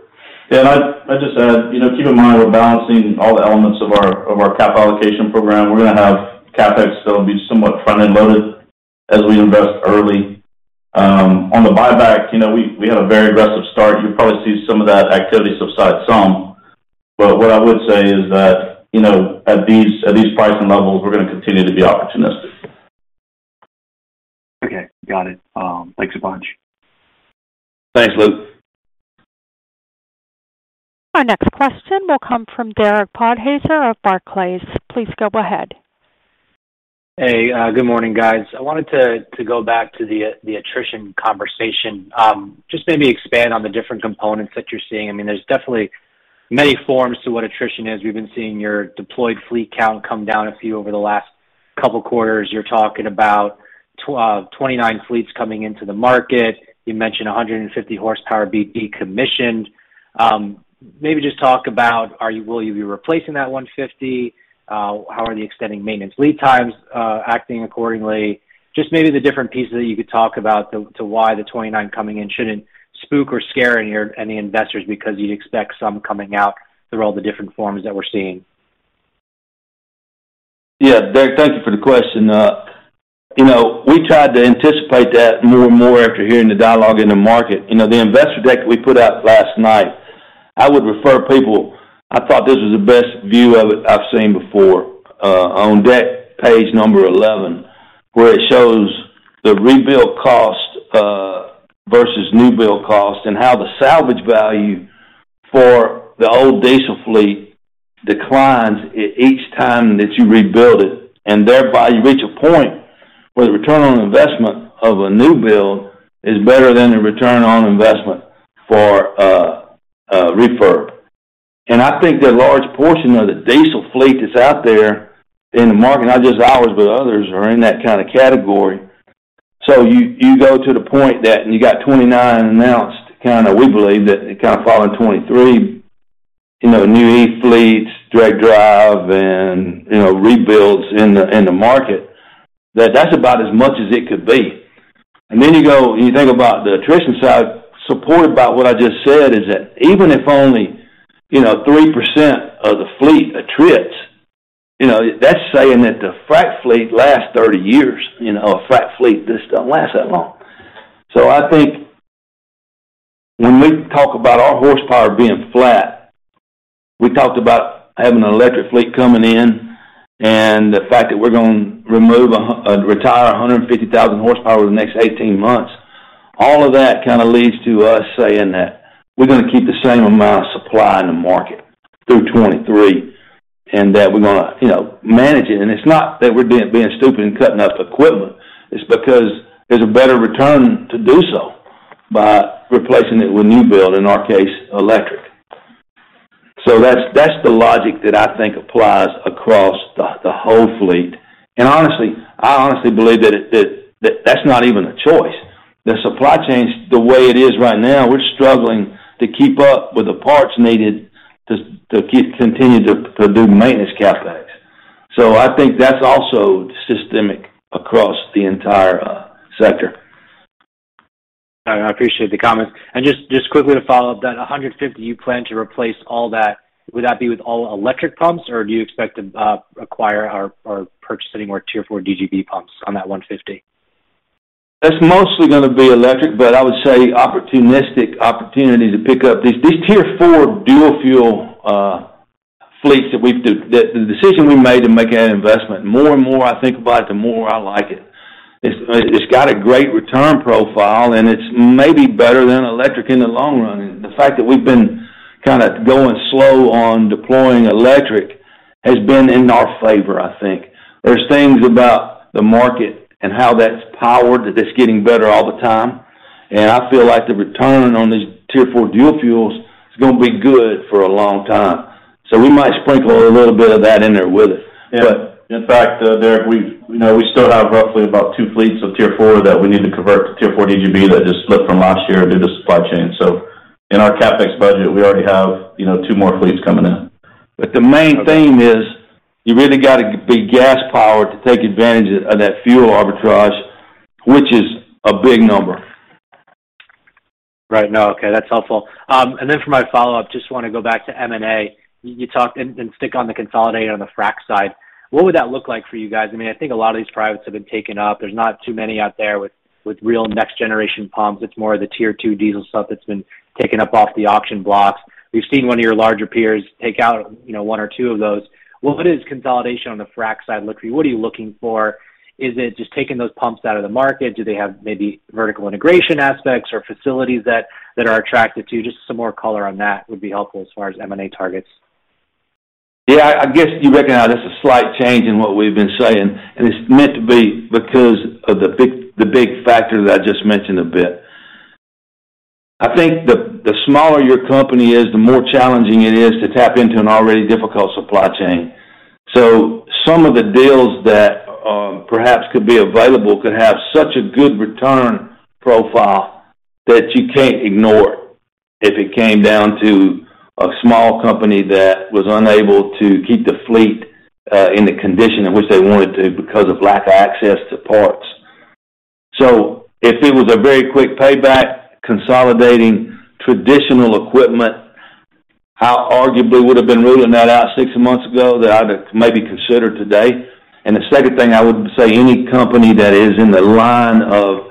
Yeah. I'd just add, you know, keep in mind we're balancing all the elements of our, of our cap allocation program. We're gonna have CapEx that'll be somewhat front-end loaded as we invest early. On the buyback, you know, we had a very aggressive start. You'll probably see some of that activity subside some. What I would say is that, you know, at these, at these pricing levels, we're gonna continue to be opportunistic. Okay, got it. Thanks a bunch. Thanks, Luke. Our next question will come from Derek Podhaizer of Barclays. Please go ahead. Hey, good morning, guys. I wanted to go back to the attrition conversation. Just maybe expand on the different components that you're seeing. I mean, there's definitely many forms to what attrition is. We've been seeing your deployed fleet count come down a few over the last couple quarters. You're talking about 29 fleets coming into the market. You mentioned 150 horsepower decommissioned. Maybe just talk about will you be replacing that 150? How are the extending maintenance lead times acting accordingly? Just maybe the different pieces that you could talk about to why the 29 coming in shouldn't spook or scare any investors because you'd expect some coming out through all the different forms that we're seeing. Yeah. Derek, thank you for the question. You know, we tried to anticipate that more and more after hearing the dialogue in the market. You know, the investor deck that we put out last night, I would refer people... I thought this was the best view of it I've seen before, on deck page number 11, where it shows the rebuild cost versus new build cost and how the salvage value for the old diesel fleet declines each time that you rebuild it, and thereby you reach a point where the return on investment of a new build is better than the return on investment for a refurb. I think that a large portion of the diesel fleet that's out there in the market, not just ours, but others, are in that kinda category. You go to the point that you got 29 announced, kinda we believe that it kinda fall in 2023. You know, new e-fleets, direct drive and, you know, rebuilds in the market, that's about as much as it could be. You go and you think about the attrition side, supported by what I just said, is that even if only, you know, 3% of the fleet attrits, you know, that's saying that the frac fleet lasts 30 years. You know, a frac fleet just don't last that long. I think when we talk about our horsepower being flat, we talked about having an electric fleet coming in and the fact that we're gonna remove, retire 150,000 horsepower over the next 18 months. All of that kinda leads to us saying that we're gonna keep the same amount of supply in the market through 2023, and that we're gonna, you know, manage it. It's not that we're being stupid and cutting up equipment. It's because there's a better return to do so by replacing it with new build, in our case, electric. That's the logic that I think applies across the whole fleet. Honestly, I honestly believe that that's not even a choice. The supply chains, the way it is right now, we're struggling to keep up with the parts needed to keep continuing to do maintenance CapEx. I think that's also systemic across the entire sector. I appreciate the comments. Just quickly to follow up that 150, you plan to replace all that. Would that be with all electric pumps, or do you expect to acquire or purchase any more Tier 4 DGB pumps on that 150? That's mostly gonna be electric, but I would say opportunistic opportunity to pick up these. These Tier 4 dual-fuel fleets that the decision we made to make that investment, more and more I think about it, the more I like it. It's got a great return profile, and it's maybe better than electric in the long run. The fact that we've been kinda going slow on deploying electric has been in our favor, I think. There's things about the market and how that's powered, that it's getting better all the time. I feel like the return on these Tier 4 dual-fuels is gonna be good for a long time. We might sprinkle a little bit of that in there with it. Yeah. In fact, Derek, you know, we still have roughly about two fleets of Tier 4 that we need to convert to Tier 4 DGB that just slipped from last year due to supply chain. In our CapEx budget, we already have, you know, two more fleets coming in. The main theme is you really got to be gas powered to take advantage of that fuel arbitrage, which is a big number. Right. No, okay. That's helpful. For my follow-up, just wanna go back to M&A. Stick on the consolidator on the frack side. What would that look like for you guys? I mean, I think a lot of these privates have been taken up. There's not too many out there with real next generation pumps. It's more of the Tier 2 diesel stuff that's been taken up off the auction blocks. We've seen one of your larger peers take out, you know, one or two of those. What is consolidation on the frack side look for you? What are you looking for? Is it just taking those pumps out of the market? Do they have maybe vertical integration aspects or facilities that are attractive to you? Just some more color on that would be helpful as far as M&A targets. I guess you recognize this is a slight change in what we've been saying, and it's meant to be because of the big factor that I just mentioned a bit. I think the smaller your company is, the more challenging it is to tap into an already difficult supply chain. Some of the deals that perhaps could be available could have such a good return profile that you can't ignore it if it came down to a small company that was unable to keep the fleet in the condition in which they wanted to because of lack of access to parts. If it was a very quick payback consolidating traditional equipment, I arguably would have been ruling that out six months ago that I'd maybe consider today. The second thing I would say, any company that is in the line of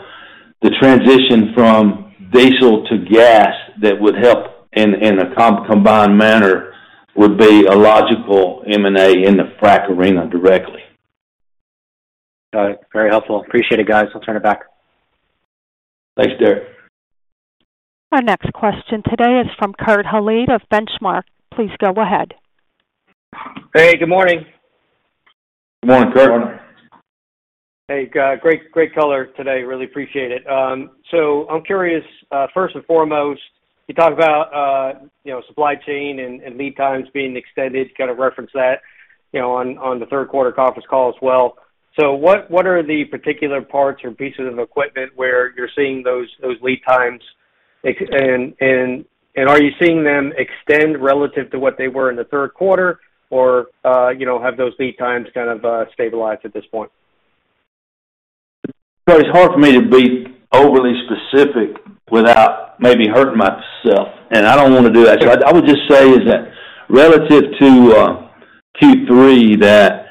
the transition from diesel to gas that would help in a combined manner would be a logical M&A in the frack arena directly. All right. Very helpful. Appreciate it, guys. I'll turn it back. Thanks, Derek. Our next question today is from Kurt Hallead of Benchmark. Please go ahead. Hey, good morning. Good morning, Kurt Hallead. Good morning. Hey, great color today. Really appreciate it. I'm curious, first and foremost, you talked about, you know, supply chain and lead times being extended, kind of referenced that, you know, on the third quarter conference call as well. What are the particular parts or pieces of equipment where you're seeing those lead times? And are you seeing them extend relative to what they were in the third quarter or, you know, have those lead times kind of stabilized at this point? It's hard for me to be overly specific without maybe hurting myself, and I don't wanna do that. I would just say is that relative to Q3 that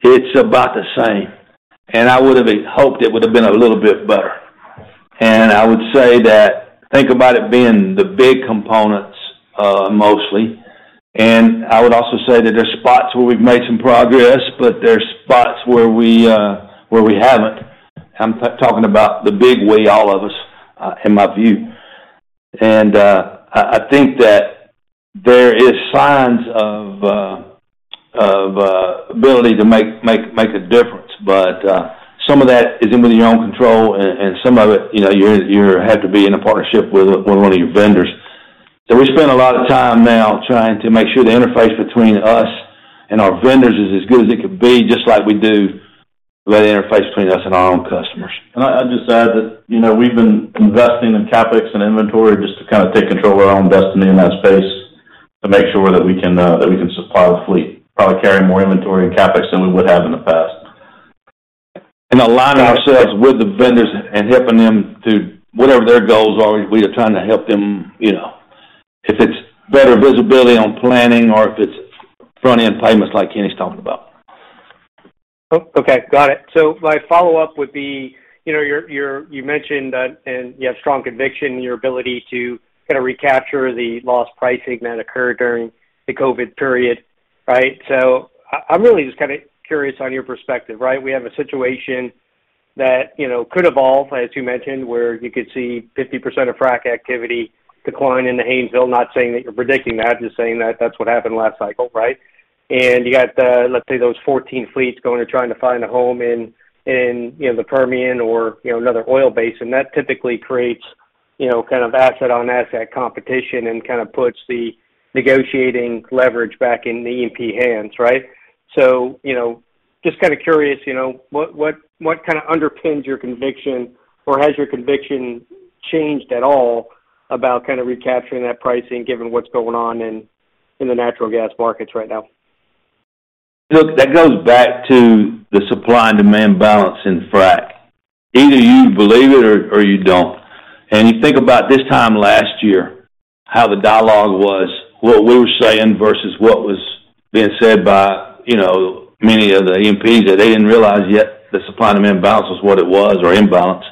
it's about the same, and I would have hoped it would have been a little bit better. I would say that think about it being the big components mostly. I would also say that there's spots where we've made some progress, but there's spots where we haven't. I'm talking about the big we, all of us, in my view. I think that there is signs of ability to make a difference. Some of that is in with your own control and some of it, you know, you have to be in a partnership with one of your vendors. We spend a lot of time now trying to make sure the interface between us and our vendors is as good as it could be, just like we do with the interface between us and our own customers. I just add that, you know, we've been investing in CapEx and inventory just to kind of take control of our own destiny in that space to make sure that we can supply the fleet. Probably carry more inventory in CapEx than we would have in the past. Align ourselves with the vendors and helping them to whatever their goals are, we are trying to help them, you know, if it's better visibility on planning or if it's front-end payments like Kenny's talking about. Okay. Got it. My follow-up would be, you know, you're you have strong conviction in your ability to kind of recapture the lost pricing that occurred during the COVID period, right? I'm really just kind of curious on your perspective, right? We have a situation that, you know, could evolve, as you mentioned, where you could see 50% of frack activity decline in the Haynesville. Not saying that you're predicting that, just saying that that's what happened last cycle, right? You got, let's say those 14 fleets going to trying to find a home in, you know, the Permian or, you know, another oil base. That typically creates, you know, kind of asset on asset competition and kind of puts the negotiating leverage back in the E&P hands, right? You know, just kind of curious, you know, what kind of underpins your conviction, or has your conviction changed at all about kind of recapturing that pricing given what's going on in the natural gas markets right now? Look, that goes back to the supply and demand balance in frack. Either you believe it or you don't. You think about this time last year, how the dialogue was, what we were saying versus what was being said by, you know, many of the E&Ps that they didn't realize yet the supply and demand balance was what it was or imbalance.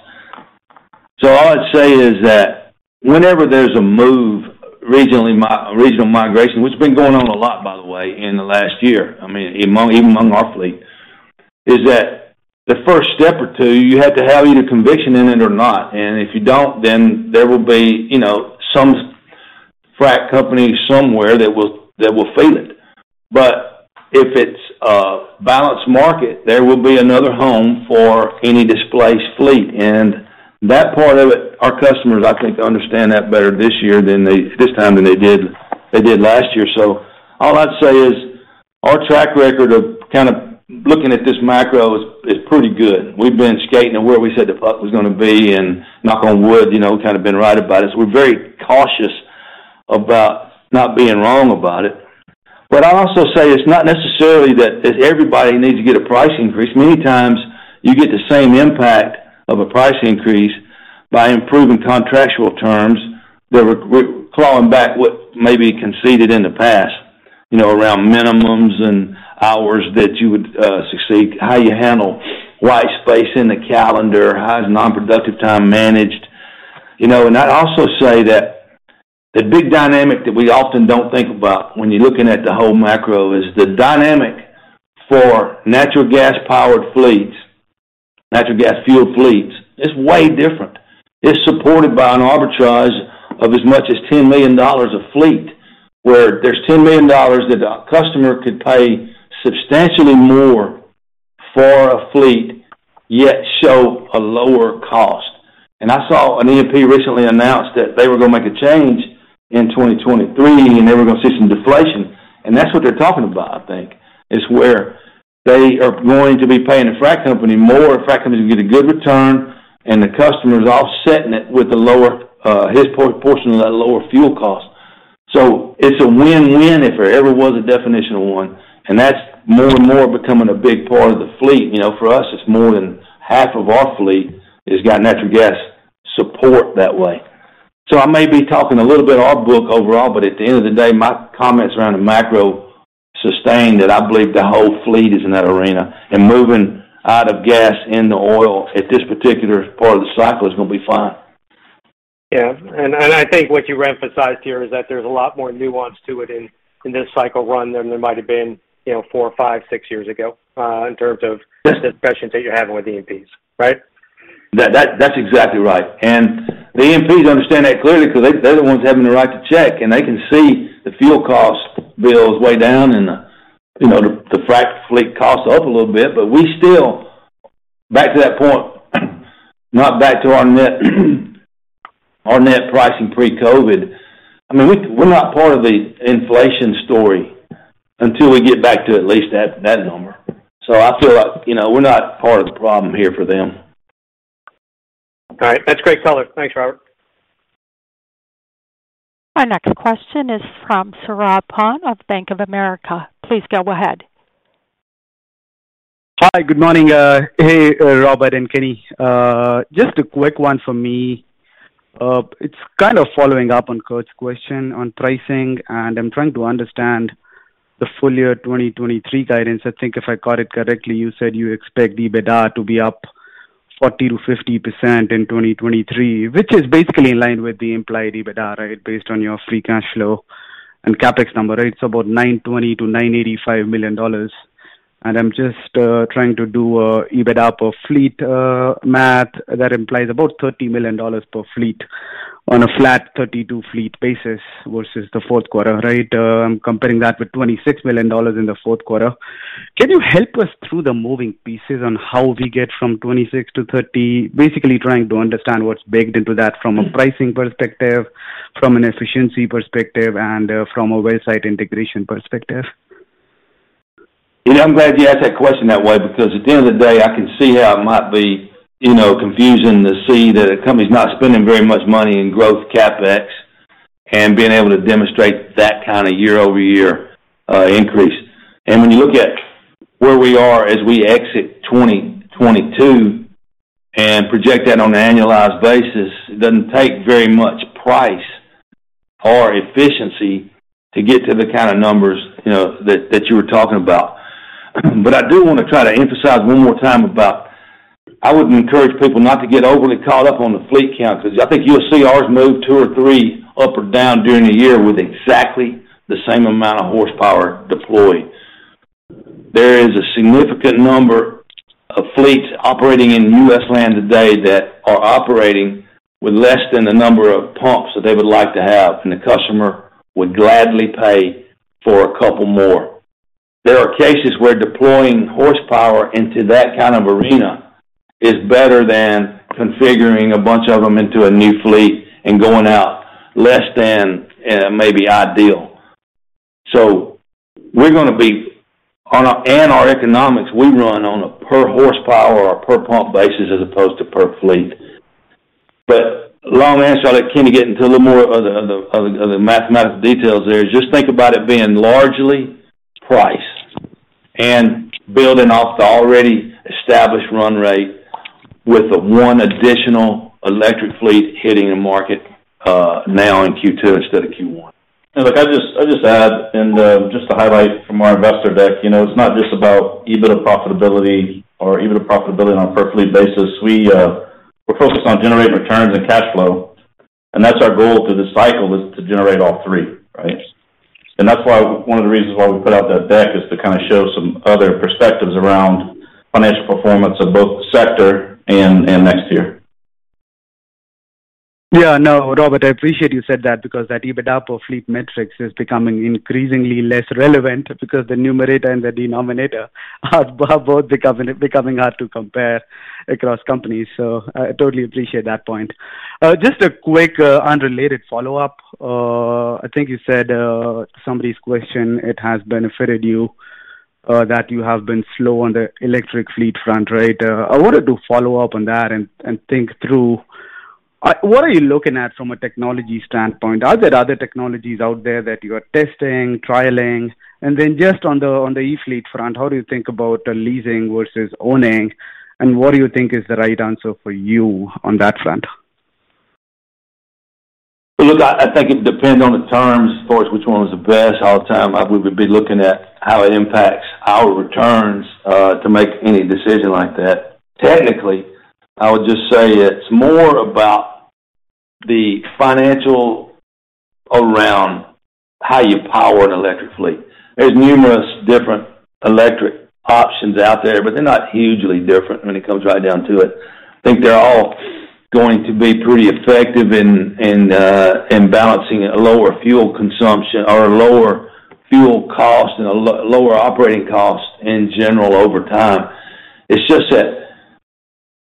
All I'd say is that whenever there's a move regionally regional migration, which has been going on a lot, by the way, in the last year, I mean, even among our fleet, is that the first step or two, you have to have either conviction in it or not. If you don't, then there will be, you know, some frack company somewhere that will feel it. If it's a balanced market, there will be another home for any displaced fleet. That part of it, our customers, I think, understand that better this year than this time than they did last year. All I'd say is our track record of kind of looking at this macro is pretty good. We've been skating to where we said the puck was gonna be, and knock on wood, you know, kind of been right about it. We're very cautious about not being wrong about it. I also say it's not necessarily that everybody needs to get a price increase. Many times you get the same impact of a price increase by improving contractual terms that we're clawing back what may be conceded in the past, you know, around minimums and hours that you would succeed, how you handle white space in the calendar, how is non-productive time managed. You know, I'd also say that the big dynamic that we often don't think about when you're looking at the whole macro is the dynamic for natural gas powered fleets, natural gas fueled fleets, it's way different. It's supported by an arbitrage of as much as $10 million a fleet, where there's $10 million that a customer could pay substantially more for a fleet, yet show a lower cost. I saw an E&P recently announced that they were gonna make a change in 2023, and they were gonna see some deflation. That's what they're talking about, I think. It's where they are going to be paying a frack company more, a frack company can get a good return, and the customer is offsetting it with the lower, his portion of that lower fuel cost. It's a win-win if there ever was a definition of one, and that's more and more becoming a big part of the fleet. You know, for us, it's more than half of our fleet has got natural gas support that way. I may be talking a little bit off book overall, but at the end of the day, my comments around the macro sustain that I believe the whole fleet is in that arena, and moving out of gas into oil at this particular part of the cycle is gonna be fine. Yeah. And I think what you emphasized here is that there's a lot more nuance to it in this cycle run than there might've been, you know, four, five, six years ago, in terms of discussions that you're having with E&Ps, right? That's exactly right. The E&Ps understand that clearly because they're the ones having to write the check, and they can see the fuel cost bill is way down and, you know, the frac fleet cost up a little bit. We still, back to that point, not back to our net pricing pre-COVID. I mean, we're not part of the inflation story until we get back to at least that number. I feel like, you know, we're not part of the problem here for them. All right. That's great color. Thanks, Robert. Our next question is from Saurabh Pant of Bank of America. Please go ahead. Hi. Good morning. Hey, Robert and Kenny. Just a quick one for me. It's kind of following up on Kurt Hallead's question on pricing. I'm trying to understand the full year 2023 guidance. I think if I caught it correctly, you said you expect the EBITDA to be up 40%-50% in 2023, which is basically in line with the implied EBITDA, right? Based on your free cash flow and CapEx number. It's about $920 million-$985 million. I'm just trying to do a EBITDA per fleet math that implies about $30 million per fleet on a flat 32 fleet basis versus the fourth quarter, right? Comparing that with $26 million in the fourth quarter. Can you help us through the moving pieces on how we get from 26-30? Basically trying to understand what's baked into that from a pricing perspective, from an efficiency perspective, and from a well site integration perspective. You know, I'm glad you asked that question that way because at the end of the day, I can see how it might be, you know, confusing to see that a company's not spending very much money in growth CapEx and being able to demonstrate that kinda year-over-year increase. When you look at where we are as we exit 2022 and project that on an annualized basis, it doesn't take very much price or efficiency to get to the kinda numbers, you know, that you were talking about. I do wanna try to emphasize one more time about I would encourage people not to get overly caught up on the fleet count, because I think you'll see ours move two or three up or down during the year with exactly the same amount of horsepower deployed. There is a significant number of fleets operating in U.S. land today that are operating with less than the number of pumps that they would like to have, and the customer would gladly pay for a couple more. There are cases where deploying horsepower into that kind of arena is better than configuring a bunch of them into a new fleet and going out less than maybe ideal. We're gonna be on and our economics, we run on a per horsepower or per pump basis as opposed to per fleet. Long answer, I'll let Kenny get into a little more of the mathematical details there. Just think about it being largely price and building off the already established run rate with the one additional electric fleet hitting the market now in Q2 instead of Q1. Look, I just add, just to highlight from our investor deck, you know, it's not just about EBITDA profitability or EBITDA profitability on a per fleet basis. We're focused on generating returns and cash flow, and that's our goal through this cycle is to generate all three, right? That's why one of the reasons why we put out that deck is to kinda show some other perspectives around financial performance of both the sector and NexTier. Robert, I appreciate you said that because that EBITDA per fleet metrics is becoming increasingly less relevant because the numerator and the denominator are both becoming hard to compare across companies. I totally appreciate that point. Just a quick, unrelated follow-up. I think you said somebody's question, it has benefited you that you have been slow on the electric fleet front, right? I wanted to follow up on that and think through. What are you looking at from a technology standpoint? Are there other technologies out there that you are testing, trialing? Just on the e-fleet front, how do you think about leasing versus owning, and what do you think is the right answer for you on that front? Look, I think it depends on the terms as far as which one is the best all the time. We would be looking at how it impacts our returns to make any decision like that. Technically, I would just say it's more about the financial around how you power an electric fleet. There's numerous different electric options out there, but they're not hugely different when it comes right down to it. I think they're all going to be pretty effective in balancing a lower fuel consumption or a lower fuel cost and a lower operating cost in general over time. It's just that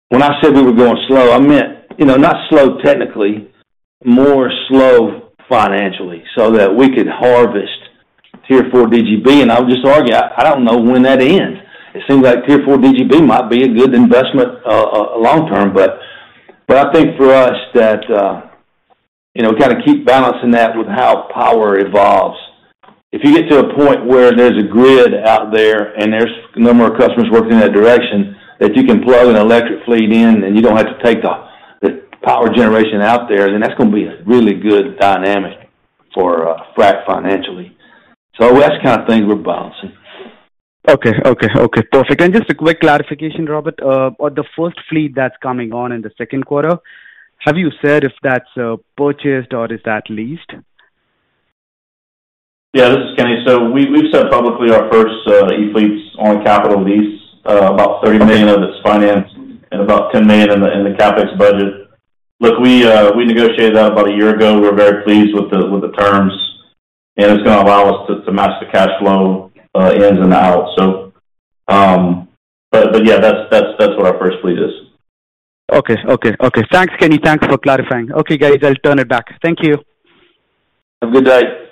when I said we were going slow, I meant, you know, not slow technically, more slow financially so that we could harvest Tier 4 DGB. I would just argue, I don't know when that ends. It seems like Tier 4 DGB might be a good investment, long term, but I think for us that, you know, gotta keep balancing that with how power evolves. If you get to a point where there's a grid out there and there's a number of customers working in that direction, that you can plug an electric fleet in and you don't have to take the power generation out there, then that's gonna be a really good dynamic for Frac financially. That's the kind of thing we're balancing. Okay. Okay. Okay. Perfect. Just a quick clarification, Robert. On the first fleet that's coming on in the second quarter, have you said if that's purchased or is that leased? Yeah, this is Kenny. We've said publicly our first e-fleets on capital lease, about $30 million of it's financed and about $10 million in the CapEx budget. Look, we negotiated that about a year ago. We're very pleased with the terms, it's gonna allow us to match the cash flow ins and out. But yeah, that's what our first fleet is. Okay. Okay. Okay. Thanks, Kenny. Thanks for clarifying. Okay, guys, I'll turn it back. Thank you. Have a good day.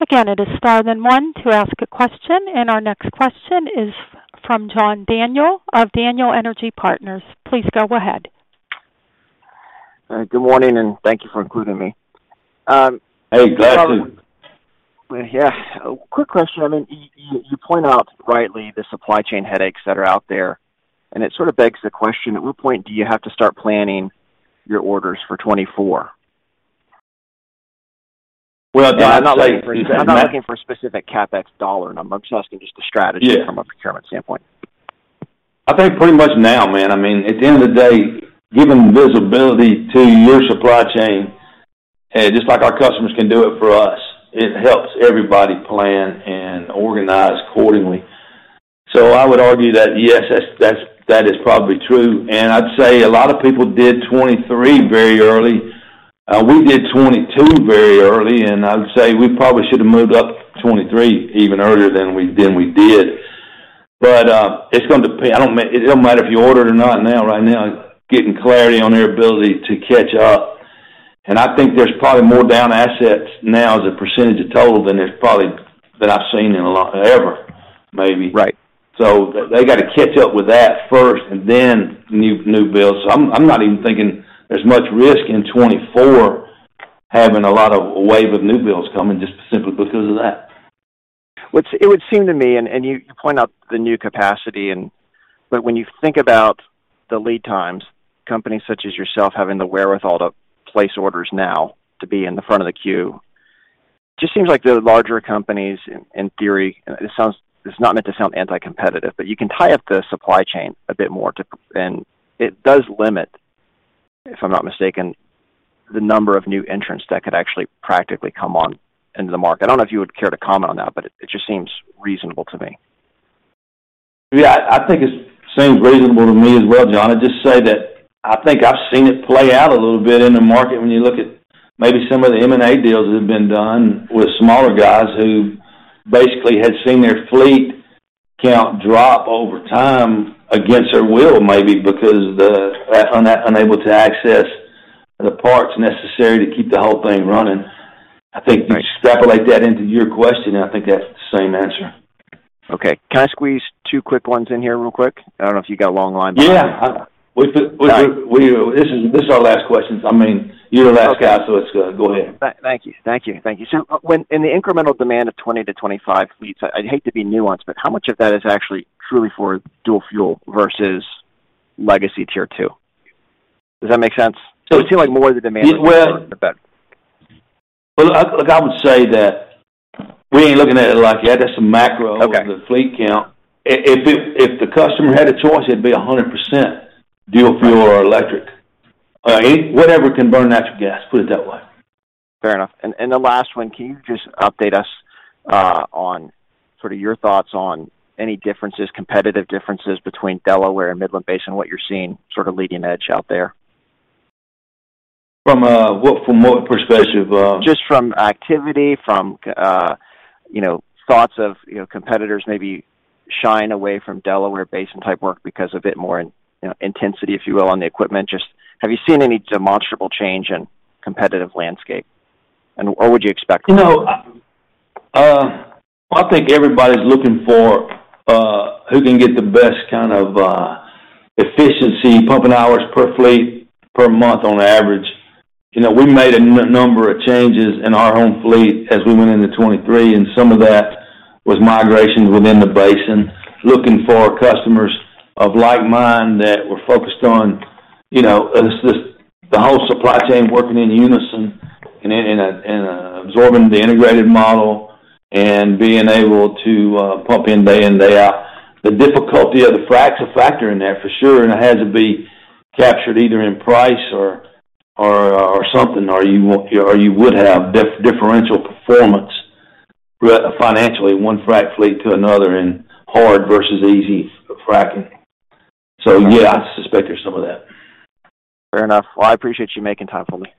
Again, it is star then one to ask a question. Our next question is from John Daniel of Daniel Energy Partners. Please go ahead. Good morning, thank you for including me. Hey, glad to. Yeah. Quick question. I mean, you point out rightly the supply chain headaches that are out there, and it sort of begs the question: At what point do you have to start planning your orders for 2024? Well, I'd say- I'm not looking for a specific CapEx $ number. I'm just asking just a strategy. Yeah. from a procurement standpoint. I think pretty much now, man. I mean, at the end of the day, giving visibility to your supply chain, and just like our customers can do it for us, it helps everybody plan and organize accordingly. I would argue that, yes, that is probably true. I'd say a lot of people did 23 very early. We did 22 very early, and I would say we probably should have moved up to 23 even earlier than we did. It doesn't matter if you order it or not now, right now, getting clarity on their ability to catch up. I think there's probably more down assets now as a percentage of total than there's probably that I've seen in a long ever, maybe. Right. They gotta catch up with that first and then new builds. I'm not even thinking there's much risk in 2024 having a lot of wave of new builds coming just simply because of that. Which it would seem to me, and you point out the new capacity. When you think about the lead times, companies such as yourself having the wherewithal to place orders now to be in the front of the queue, just seems like the larger companies, in theory, this is not meant to sound anti-competitive, but you can tie up the supply chain a bit more to... It does limit, if I'm not mistaken, the number of new entrants that could actually practically come on into the market. I don't know if you would care to comment on that, but it just seems reasonable to me. Yeah. I think it seems reasonable to me as well, John. I'd just say that I think I've seen it play out a little bit in the market when you look at maybe some of the M&A deals that have been done with smaller guys who basically had seen their fleet count drop over time against their will, maybe because of the unable to access the parts necessary to keep the whole thing running. Right. I think you extrapolate that into your question. I think that's the same answer. Okay. Can I squeeze two quick ones in here real quick? I don't know if you got a long line behind me. Yeah. We. This is our last question. I mean, you're the last guy, so it's... go ahead. Thank you. Thank you. Thank you. In the incremental demand of 20-25 fleets, I'd hate to be nuanced, but how much of that is actually truly for dual-fuel versus legacy Tier 2? Does that make sense? It seems like more of the demand. Well, look, I would say that we ain't looking at it like, yeah, that's some macro- Okay. of the fleet count. If the customer had a choice, it'd be 100% dual-fuel or electric. whatever can burn natural gas, put it that way. Fair enough. The last one, can you just update us on sort of your thoughts on any differences, competitive differences between Delaware and Midland Basin, what you're seeing sort of leading edge out there? From what perspective? Just from activity, from, you know, thoughts of, you know, competitors maybe shying away from Delaware Basin type work because of it more in, you know, intensity, if you will, on the equipment. Just have you seen any demonstrable change in competitive landscape, and what would you expect from that? You know, I think everybody's looking for who can get the best kind of efficiency, pumping hours per fleet per month on average. You know, we made a number of changes in our own fleet as we went into 2023, and some of that was migrations within the basin, looking for customers of like mind that were focused on, you know, this, the whole supply chain working in unison and absorbing the integrated model and being able to pump in day in, day out. The difficulty of the frac is a factor in there for sure, and it has to be captured either in price or something or you won't or you would have differential performance financially, one frac fleet to another in hard versus easy fracking. Yeah, I suspect there's some of that. Fair enough. Well, I appreciate you making time for me.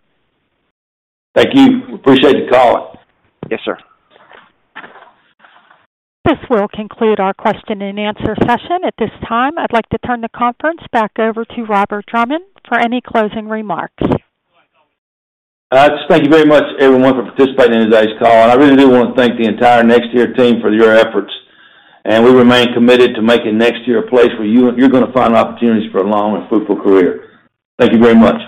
Thank you. Appreciate the call. Yes, sir. This will conclude our question and answer session. At this time, I'd like to turn the conference back over to Robert Drummond for any closing remarks. Just thank you very much, everyone, for participating in today's call. I really do wanna thank the entire NexTier team for your efforts. We remain committed to making NexTier a place where you're gonna find opportunities for a long and fruitful career. Thank you very much.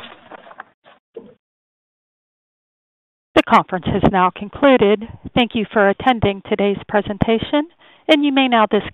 The conference has now concluded. Thank you for attending today's presentation, and you may now disconnect.